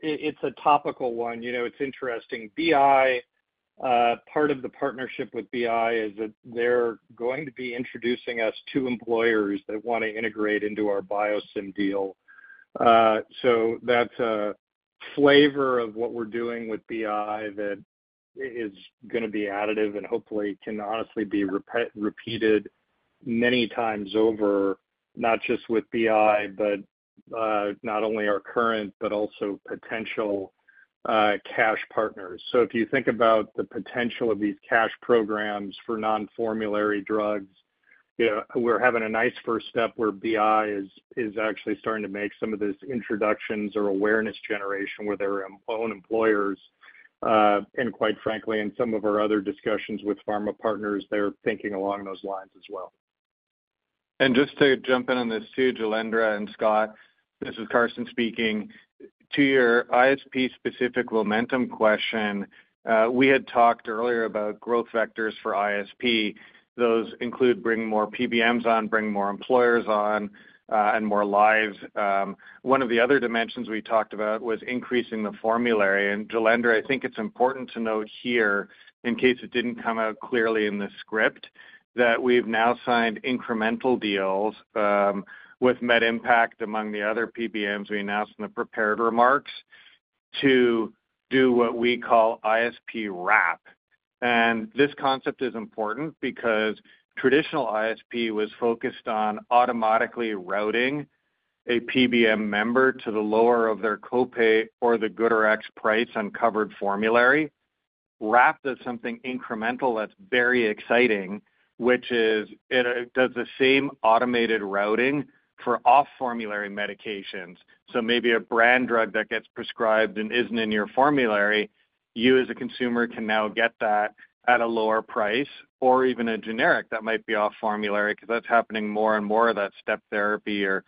It's a topical one. You know, it's interesting. BI, part of the partnership with BI is that they're going to be introducing us to employers that wanna integrate into our biosim deal. So that's a flavor of what we're doing with BI that is gonna be additive and hopefully can honestly be repeated many times over, not just with BI, but, not only our current, but also potential, cash partners. So if you think about the potential of these cash programs for non-formulary drugs, you know, we're having a nice first step where BI is actually starting to make some of those introductions or awareness generation with their own employers. And quite frankly, in some of our other discussions with pharma partners, they're thinking along those lines as well. And just to jump in on this too, Jailendra and Scott, this is Karsten speaking. To your ISP specific momentum question, we had talked earlier about growth vectors for ISP. Those include bringing more PBMs on, bringing more employers on, and more lives. One of the other dimensions we talked about was increasing the formulary. And Jailendra, I think it's important to note here, in case it didn't come out clearly in the script, that we've now signed incremental deals, with MedImpact, among the other PBMs we announced in the prepared remarks, to do what we call ISP Wrap. And this concept is important because traditional ISP was focused on automatically routing a PBM member to the lower of their copay or the GoodRx price on covered formulary. Wrap does something incremental that's very exciting, which is, it does the same automated routing for off-formulary medications. So maybe a brand drug that gets prescribed and isn't in your formulary, you, as a consumer, can now get that at a lower price, or even a generic that might be off formulary, because that's happening more and more of that step therapy or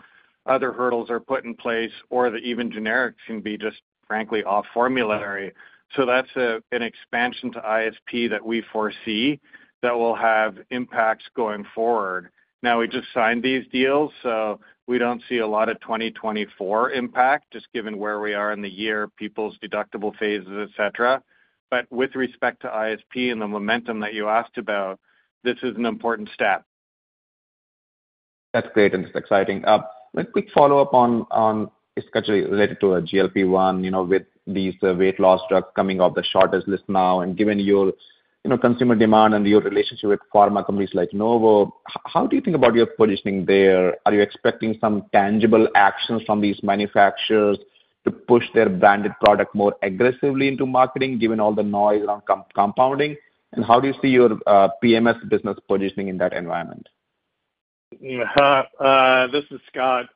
other hurdles are put in place, or even generics can be just, frankly, off formulary. So that's an expansion to ISP that we foresee that will have impacts going forward. Now, we just signed these deals, so we don't see a lot of 2024 impact, just given where we are in the year, people's deductible phases, et cetera. But with respect to ISP and the momentum that you asked about, this is an important step. That's great, and it's exciting. A quick follow-up on, especially related to our GLP-1, you know, with these weight loss drugs coming off the shortage list now, and given your, you know, consumer demand and your relationship with pharma companies like Novo, how do you think about your positioning there? Are you expecting some tangible actions from these manufacturers to push their branded product more aggressively into marketing, given all the noise around compounding? And how do you see your PMS business positioning in that environment? This is Scott.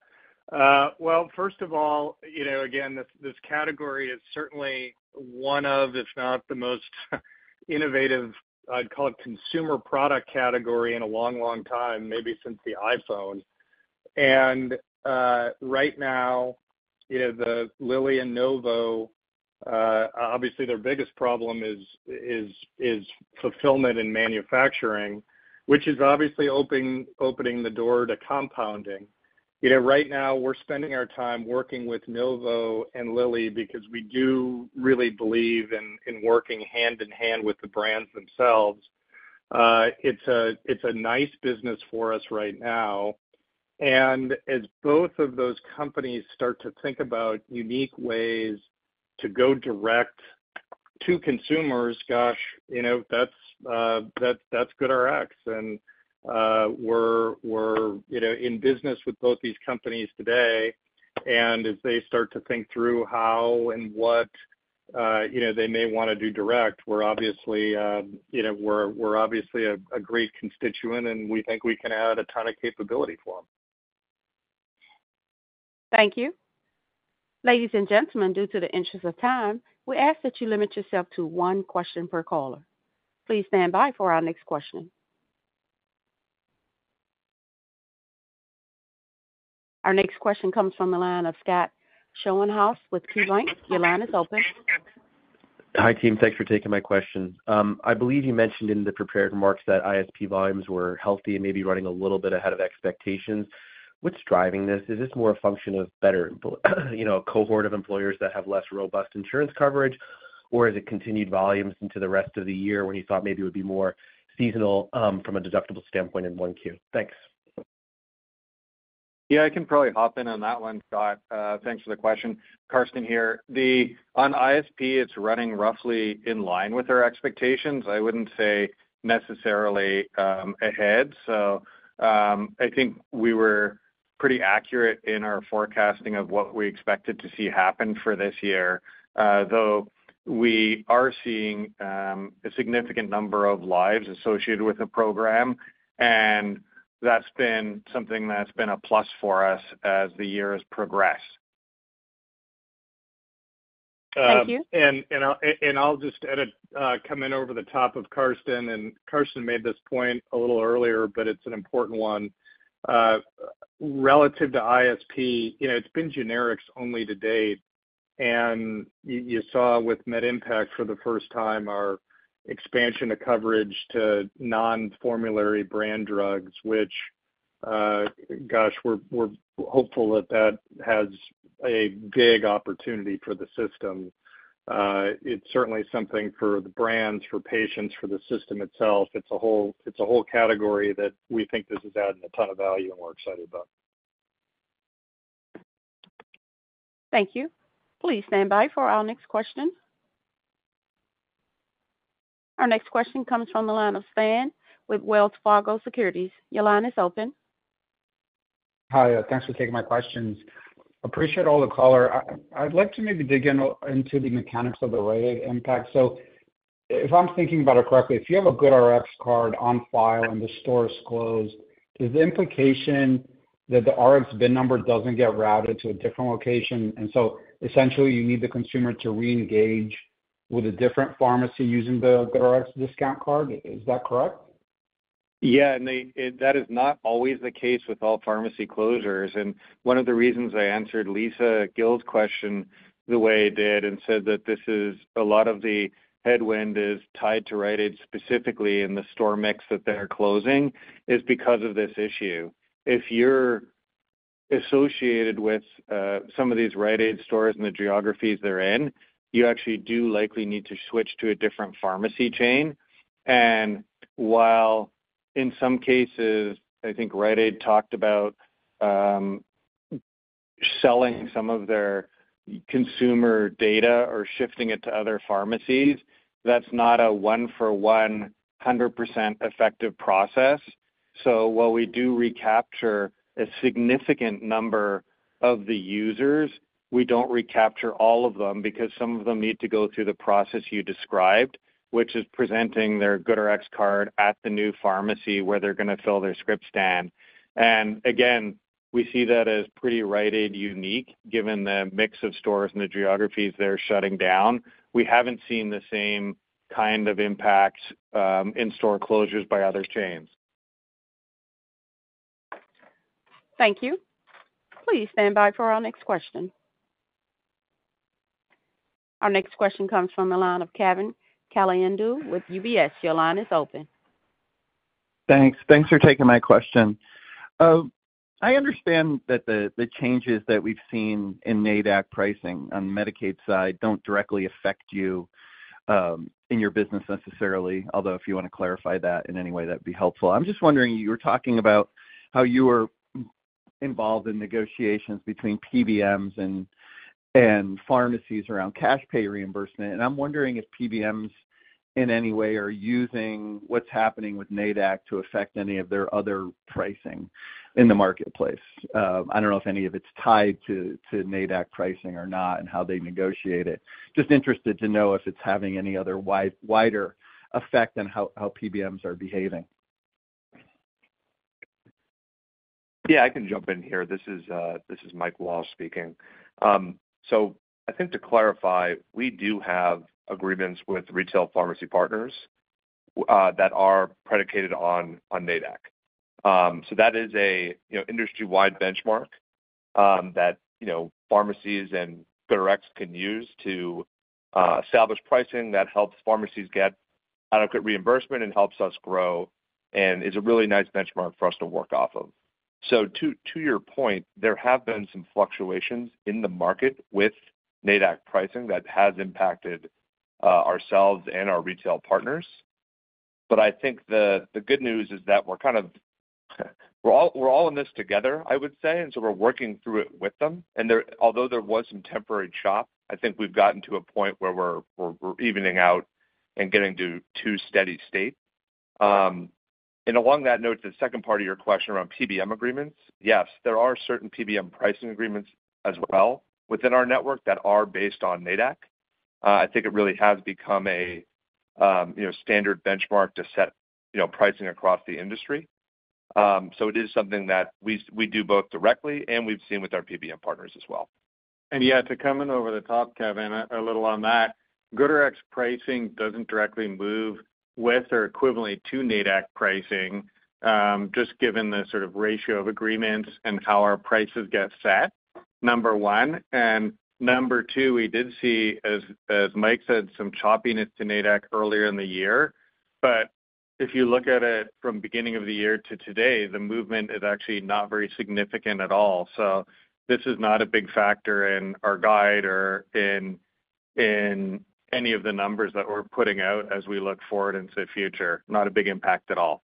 Well, first of all, you know, again, this, this category is certainly one of, if not the most innovative, I'd call it, consumer product category in a long, long time, maybe since the iPhone. And right now, you know, the Lilly and Novo obviously, their biggest problem is fulfillment and manufacturing, which is obviously opening the door to compounding. You know, right now, we're spending our time working with Novo and Lilly because we do really believe in working hand in hand with the brands themselves. It's a nice business for us right now. And as both of those companies start to think about unique ways to go direct to consumers, gosh, you know, that's GoodRx. We're, you know, in business with both these companies today, and as they start to think through how and what, you know, they may wanna do direct. We're obviously, you know, a great constituent, and we think we can add a ton of capability for them. Thank you. Ladies and gentlemen, due to the interest of time, we ask that you limit yourself to one question per caller. Please stand by for our next question. Our next question comes from the line of Scott Schoenhaus with KeyBank. Your line is open. Hi, team. Thanks for taking my question. I believe you mentioned in the prepared remarks that ISP volumes were healthy and maybe running a little bit ahead of expectations. What's driving this? Is this more a function of better, you know, cohort of employers that have less robust insurance coverage? Or is it continued volumes into the rest of the year, when you thought maybe it would be more seasonal, from a deductible standpoint in Q1? Thanks. Yeah, I can probably hop in on that one, Scott. Thanks for the question. Karsten here. On ISP, it's running roughly in line with our expectations. I wouldn't say necessarily ahead. So, I think we were pretty accurate in our forecasting of what we expected to see happen for this year. Though, we are seeing a significant number of lives associated with the program, and that's been something that's been a plus for us as the year has progressed. Thank you. I'll just add come in over the top of Karsten, and Karsten made this point a little earlier, but it's an important one. Relative to ISP, you know, it's been generics only to date. You, you saw with MedImpact for the first time, our expansion of coverage to non-formulary brand drugs, which, gosh, we're, we're hopeful that that has a big opportunity for the system. It's certainly something for the brands, for patients, for the system itself. It's a whole, it's a whole category that we think this is adding a ton of value, and we're excited about. Thank you. Please stand by for our next question. Our next question comes from the line of Stan with Wells Fargo Securities. Your line is open. Hi, thanks for taking my questions. Appreciate all the color. I, I'd like to maybe dig in, into the mechanics of the Rite Aid impact. So if I'm thinking about it correctly, if you have a GoodRx card on file and the store is closed, is the implication that the Rx BIN number doesn't get routed to a different location, and so essentially, you need the consumer to reengage with a different pharmacy using the GoodRx discount card? Is that correct? Yeah, and they, and that is not always the case with all pharmacy closures. One of the reasons I answered Lisa Gill's question the way I did and said that this is a lot of the headwind is tied to Rite Aid, specifically in the store mix that they're closing, is because of this issue. If you're associated with some of these Rite Aid stores and the geographies they're in, you actually do likely need to switch to a different pharmacy chain. And while in some cases, I think Rite Aid talked about selling some of their consumer data or shifting it to other pharmacies, that's not a one for one 100% effective process. So while we do recapture a significant number of the users, we don't recapture all of them because some of them need to go through the process you described, which is presenting their GoodRx card at the new pharmacy where they're gonna fill their script there. And again, we see that as pretty Rite Aid unique, given the mix of stores and the geographies they're shutting down. We haven't seen the same kind of impact in store closures by other chains. Thank you. Please stand by for our next question. Our next question comes from the line of Kevin Caliendo with UBS. Your line is open. Thanks. Thanks for taking my question. I understand that the changes that we've seen in NADAC pricing on Medicaid side don't directly affect you in your business necessarily, although if you want to clarify that in any way, that'd be helpful. I'm just wondering, you were talking about how you were involved in negotiations between PBMs and pharmacies around cash pay reimbursement, and I'm wondering if PBMs, in any way, are using what's happening with NADAC to affect any of their other pricing in the marketplace. I don't know if any of it's tied to NADAC pricing or not and how they negotiate it. Just interested to know if it's having any other wider effect on how PBMs are behaving. Yeah, I can jump in here. This is, this is Mike Walsh speaking. So I think to clarify, we do have agreements with retail pharmacy partners, that are predicated on, on NADAC. So that is a, you know, industry-wide benchmark, that, you know, pharmacies and GoodRx can use to, establish pricing that helps pharmacies get adequate reimbursement and helps us grow, and is a really nice benchmark for us to work off of. So to, to your point, there have been some fluctuations in the market with NADAC pricing that has impacted, ourselves and our retail partners. But I think the, the good news is that we're kind of, we're all, we're all in this together, I would say, and so we're working through it with them. There, although there was some temporary chop, I think we've gotten to a point where we're evening out and getting to steady state. And along that note, the second part of your question around PBM agreements, yes, there are certain PBM pricing agreements as well within our network that are based on NADAC. I think it really has become a, you know, standard benchmark to set, you know, pricing across the industry. So it is something that we do both directly and we've seen with our PBM partners as well. Yeah, to come in over the top, Kevin, a little on that, GoodRx pricing doesn't directly move with or equivalently to NADAC pricing, just given the sort of ratio of agreements and how our prices get set, number one. And number two, we did see, as Mike said, some choppiness to NADAC earlier in the year. But if you look at it from beginning of the year to today, the movement is actually not very significant at all. So this is not a big factor in our guide or in any of the numbers that we're putting out as we look forward into the future. Not a big impact at all.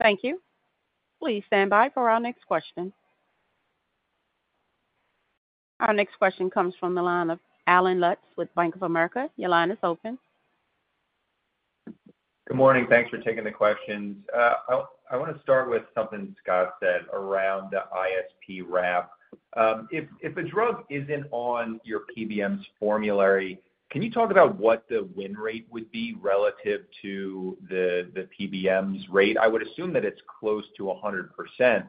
Thank you. Please stand by for our next question. Our next question comes from the line of Allen Lutz with Bank of America. Your line is open. Good morning. Thanks for taking the questions. I wanna start with something Scott said around the ISP Wrap. If a drug isn't on your PBM's formulary, can you talk about what the win rate would be relative to the PBM's rate? I would assume that it's close to 100%,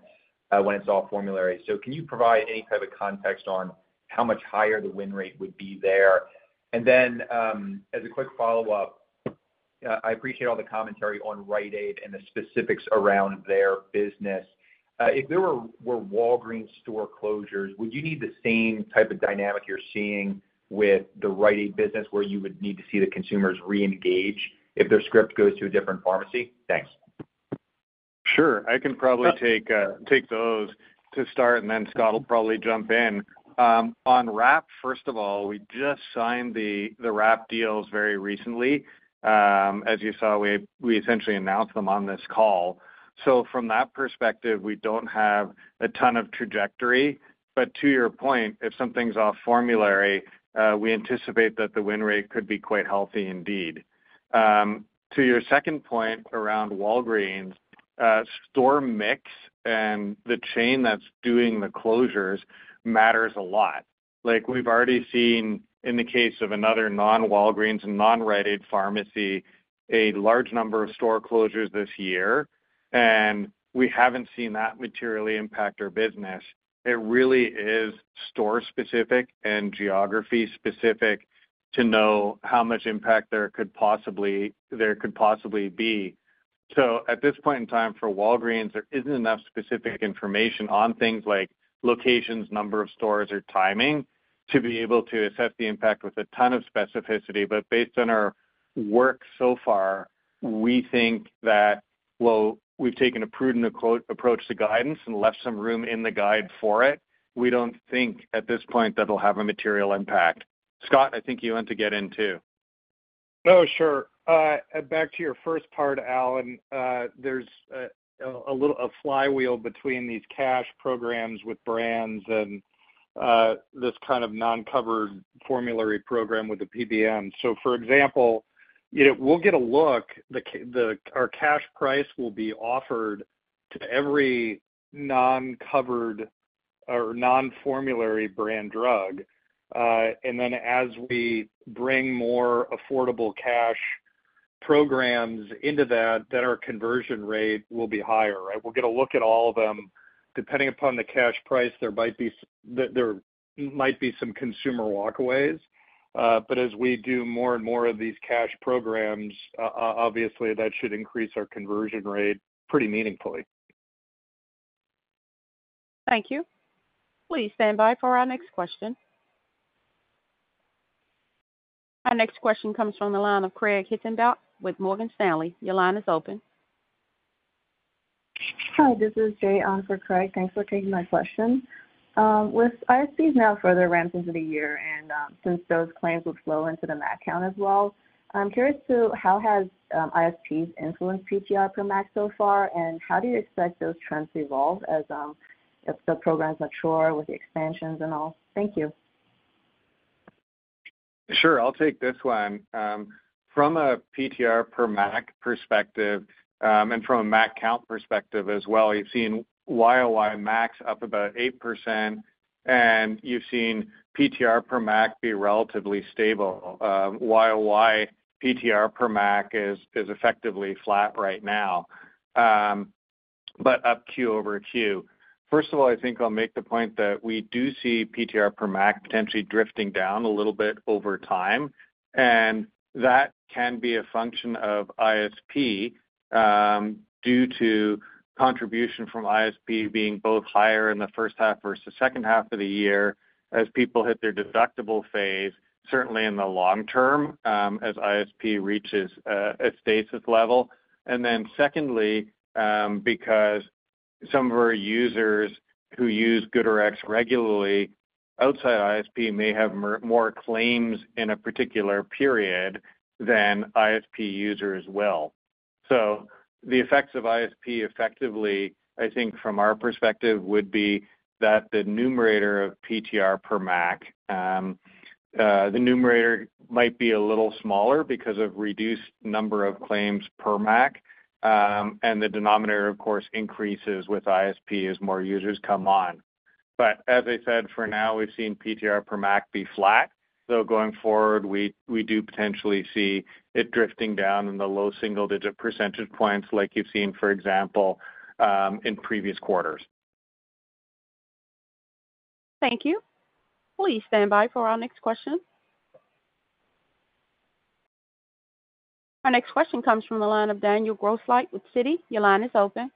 when it's off formulary. So can you provide any type of context on how much higher the win rate would be there? And then, as a quick follow-up, I appreciate all the commentary on Rite Aid and the specifics around their business. If there were Walgreens store closures, would you need the same type of dynamic you're seeing with the Rite Aid business, where you would need to see the consumers reengage if their script goes to a different pharmacy? Thanks. Sure. I can probably take, take those to start, and then Scott will probably jump in. On Wrap, first of all, we just signed the wrap deals very recently. As you saw, we essentially announced them on this call. So from that perspective, we don't have a ton of trajectory. But to your point, if something's off formulary, we anticipate that the win rate could be quite healthy indeed. To your second point around Walgreens, store mix and the chain that's doing the closures matters a lot. Like we've already seen in the case of another non-Walgreens and non-Rite Aid pharmacy, a large number of store closures this year, and we haven't seen that materially impact our business. It really is store specific and geography specific to know how much impact there could possibly be. So at this point in time, for Walgreens, there isn't enough specific information on things like locations, number of stores or timing, to be able to assess the impact with a ton of specificity. But based on our work so far, we think that, well, we've taken a prudent approach to guidance and left some room in the guide for it. We don't think at this point that it'll have a material impact. Scott, I think you want to get in, too. Oh, sure. Back to your first part, Alan. There's a little flywheel between these cash programs with brands and this kind of non-covered formulary program with the PBM. So, for example, you know, we'll get a look, our cash price will be offered to every non-covered or non-formulary brand drug. And then as we bring more affordable cash programs into that, then our conversion rate will be higher, right? We'll get a look at all of them. Depending upon the cash price, there might be some consumer walkaways, but as we do more and more of these cash programs, obviously, that should increase our conversion rate pretty meaningfully. Thank you. Please stand by for our next question. Our next question comes from the line of Craig Hettenbach with Morgan Stanley. Your line is open. Hi, this is Jay on for Craig. Thanks for taking my question. With ISPs now further ramps into the year and, since those claims would flow into the MAC count as well, I'm curious to how has ISPs influenced PTR per MAC so far, and how do you expect those trends to evolve as, as the programs mature with the expansions and all? Thank you. Sure. I'll take this one. From a PTR per MAC perspective, and from a MAC count perspective as well, you've seen year-over-year MACs up about 8%, and you've seen PTR per MAC be relatively stable. Year-over-year PTR per MAC is, is effectively flat right now, but up quarter-over-quarter. First of all, I think I'll make the point that we do see PTR per MAC potentially drifting down a little bit over time, and that can be a function of ISP, due to contribution from ISP being both higher in the first half versus the second half of the year, as people hit their deductible phase, certainly in the long term, as ISP reaches, a stasis level. And then secondly, because some of our users who use GoodRx regularly outside ISP may have more claims in a particular period than ISP users will. So the effects of ISP effectively, I think from our perspective, would be that the numerator of PTR per MAC, the numerator might be a little smaller because of reduced number of claims per MAC. And the denominator, of course, increases with ISP as more users come on. But as I said, for now, we've seen PTR per MAC be flat, so going forward, we do potentially see it drifting down in the low single-digit percentage points like you've seen, for example, in previous quarters. Thank you. Please stand by for our next question. Our next question comes from the line of Daniel Grosslight with Citi. Your line is open.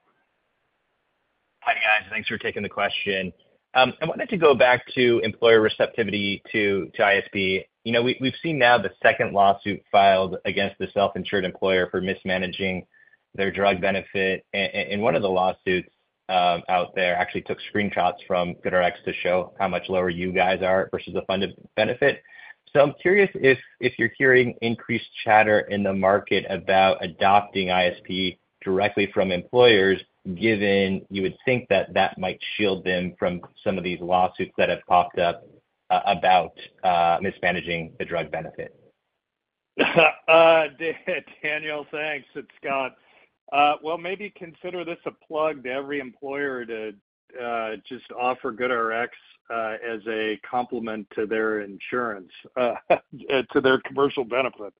Hi, guys. Thanks for taking the question. I wanted to go back to employer receptivity to ISP. You know, we've seen now the second lawsuit filed against the self-insured employer for mismanaging their drug benefit, and one of the lawsuits out there actually took screenshots from GoodRx to show how much lower you guys are versus the funded benefit. So I'm curious if you're hearing increased chatter in the market about adopting ISP directly from employers, given you would think that that might shield them from some of these lawsuits that have popped up about mismanaging the drug benefit. Daniel, thanks. It's Scott. Well, maybe consider this a plug to every employer to just offer GoodRx as a complement to their insurance to their commercial benefit.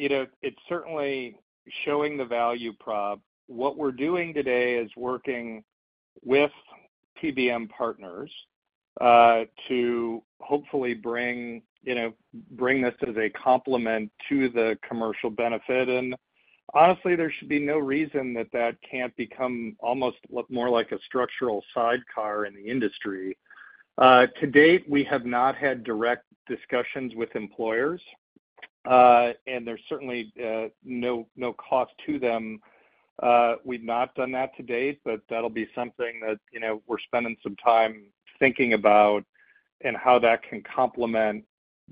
You know, it's certainly showing the value prop. What we're doing today is working with PBM partners to hopefully bring this as a complement to the commercial benefit. And honestly, there should be no reason that can't become almost look more like a structural sidecar in the industry. To date, we have not had direct discussions with employers, and there's certainly no cost to them. We've not done that to date, but that'll be something that we're spending some time thinking about and how that can complement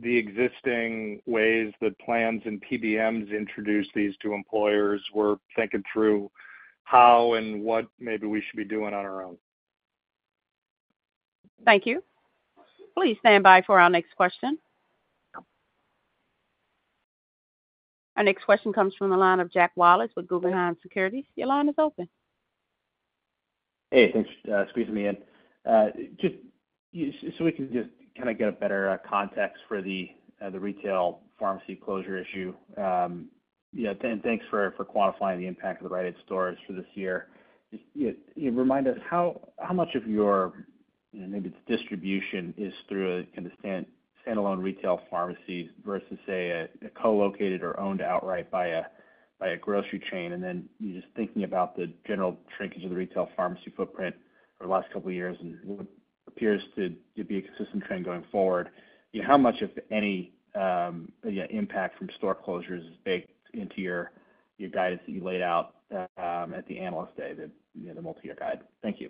the existing ways that plans and PBMs introduce these to employers. We're thinking through how and what maybe we should be doing on our own. Thank you. Please stand by for our next question. Our next question comes from the line of Jack Wallace with Guggenheim Securities. Your line is open. Hey, thanks, squeezing me in. Just so we can just kind of get a better context for the retail pharmacy closure issue, then thanks for quantifying the impact of the Rite Aid stores for this year. Remind us, how much of your, you know, maybe it's distribution, is through a kind of standalone retail pharmacy versus, say, a co-located or owned outright by a grocery chain? And then just thinking about the general shrinkage of the retail pharmacy footprint for the last couple of years, and it appears to be a consistent trend going forward. How much of any impact from store closures is baked into your guidance that you laid out at the Analyst Day, the, you know, the multiyear guide? Thank you.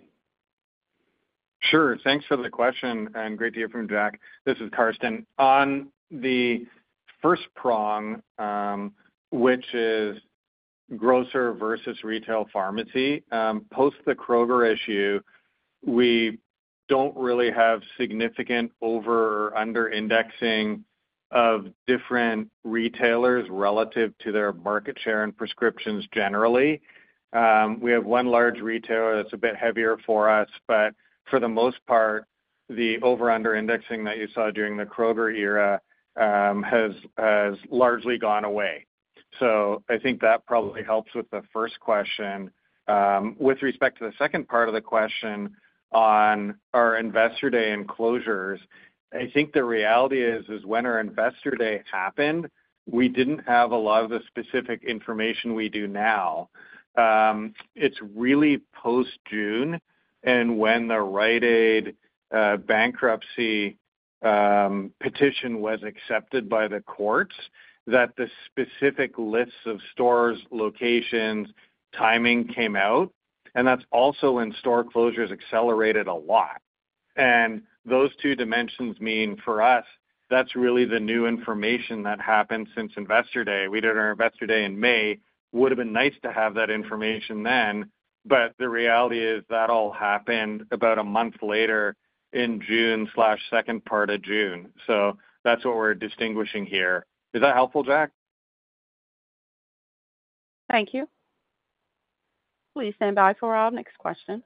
Sure. Thanks for the question, and great to hear from you, Jack. This is Karsten. On the first prong, which is grocer versus retail pharmacy, post the Kroger issue, we don't really have significant over or under indexing of different retailers relative to their market share and prescriptions generally. We have one large retailer that's a bit heavier for us, but for the most part, the over, under indexing that you saw during the Kroger era has largely gone away. So I think that probably helps with the first question. With respect to the second part of the question on our Investor Day and closures, I think the reality is, when our Investor Day happened, we didn't have a lot of the specific information we do now. It's really post-June, and when the Rite Aid bankruptcy petition was accepted by the courts, that the specific lists of stores, locations, timing came out, and that's also when store closures accelerated a lot. And those two dimensions mean for us, that's really the new information that happened since Investor Day. We did our Investor Day in May. Would have been nice to have that information then, but the reality is that all happened about a month later in June, slash, second part of June. So that's what we're distinguishing here. Is that helpful, Jack? Thank you. Please stand by for our next question.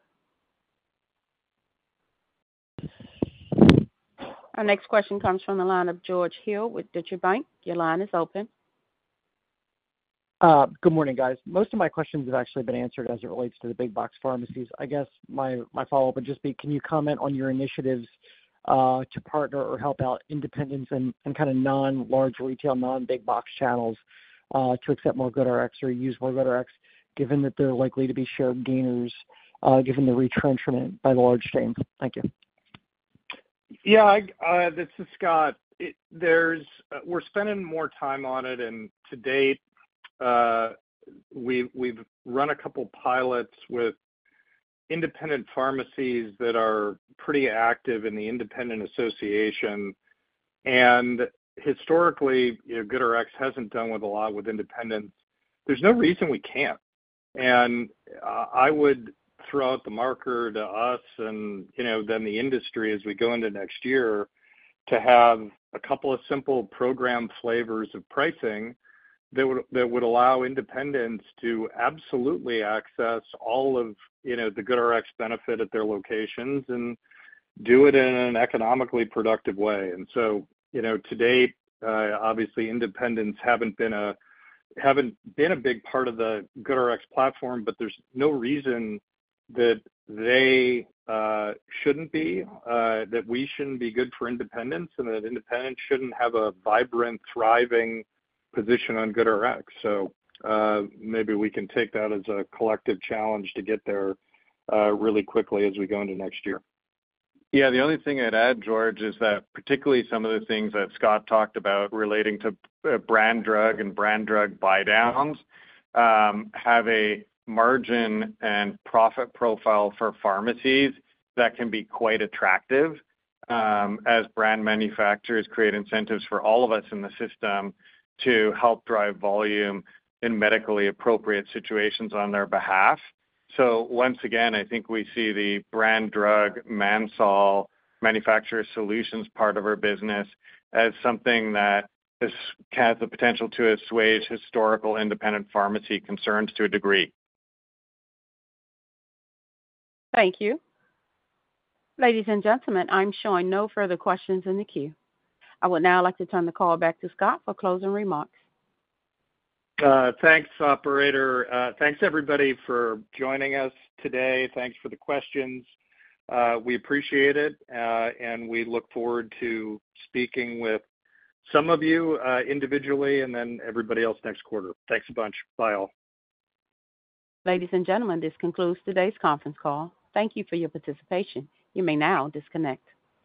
Our next question comes from the line of George Hill with Deutsche Bank. Your line is open. Good morning, guys. Most of my questions have actually been answered as it relates to the big box pharmacies. I guess my follow-up would just be, can you comment on your initiatives to partner or help out independents and kind of non-large retail, non-big box channels to accept more GoodRx or use more GoodRx, given that they're likely to be shared gainers given the retrenchment by the large chains? Thank you. Yeah, this is Scott. We're spending more time on it, and to date, we've run a couple pilots with independent pharmacies that are pretty active in the independent association. And historically, you know, GoodRx hasn't done a lot with independents. There's no reason we can't. And I would throw out the marker to us and, you know, then the industry as we go into next year, to have a couple of simple program flavors of pricing that would allow independents to absolutely access all of, you know, the GoodRx benefit at their locations and do it in an economically productive way. And so, you know, to date, obviously, independents haven't been a big part of the GoodRx platform, but there's no reason that they shouldn't be that we shouldn't be good for independents and that independents shouldn't have a vibrant, thriving position on GoodRx. So, maybe we can take that as a collective challenge to get there really quickly as we go into next year. Yeah, the only thing I'd add, George, is that particularly some of the things that Scott talked about relating to brand drug and brand drug buy downs have a margin and profit profile for pharmacies that can be quite attractive, as brand manufacturers create incentives for all of us in the system to help drive volume in medically appropriate situations on their behalf. So once again, I think we see the brand drug pharma manufacturer solutions part of our business as something that has the potential to assuage historical independent pharmacy concerns to a degree. Thank you. Ladies and gentlemen, I'm showing no further questions in the queue. I would now like to turn the call back to Scott for closing remarks. Thanks, operator. Thanks, everybody, for joining us today. Thanks for the questions. We appreciate it, and we look forward to speaking with some of you, individually and then everybody else next quarter. Thanks a bunch. Bye, all. Ladies and gentlemen, this concludes today's conference call. Thank you for your participation. You may now disconnect.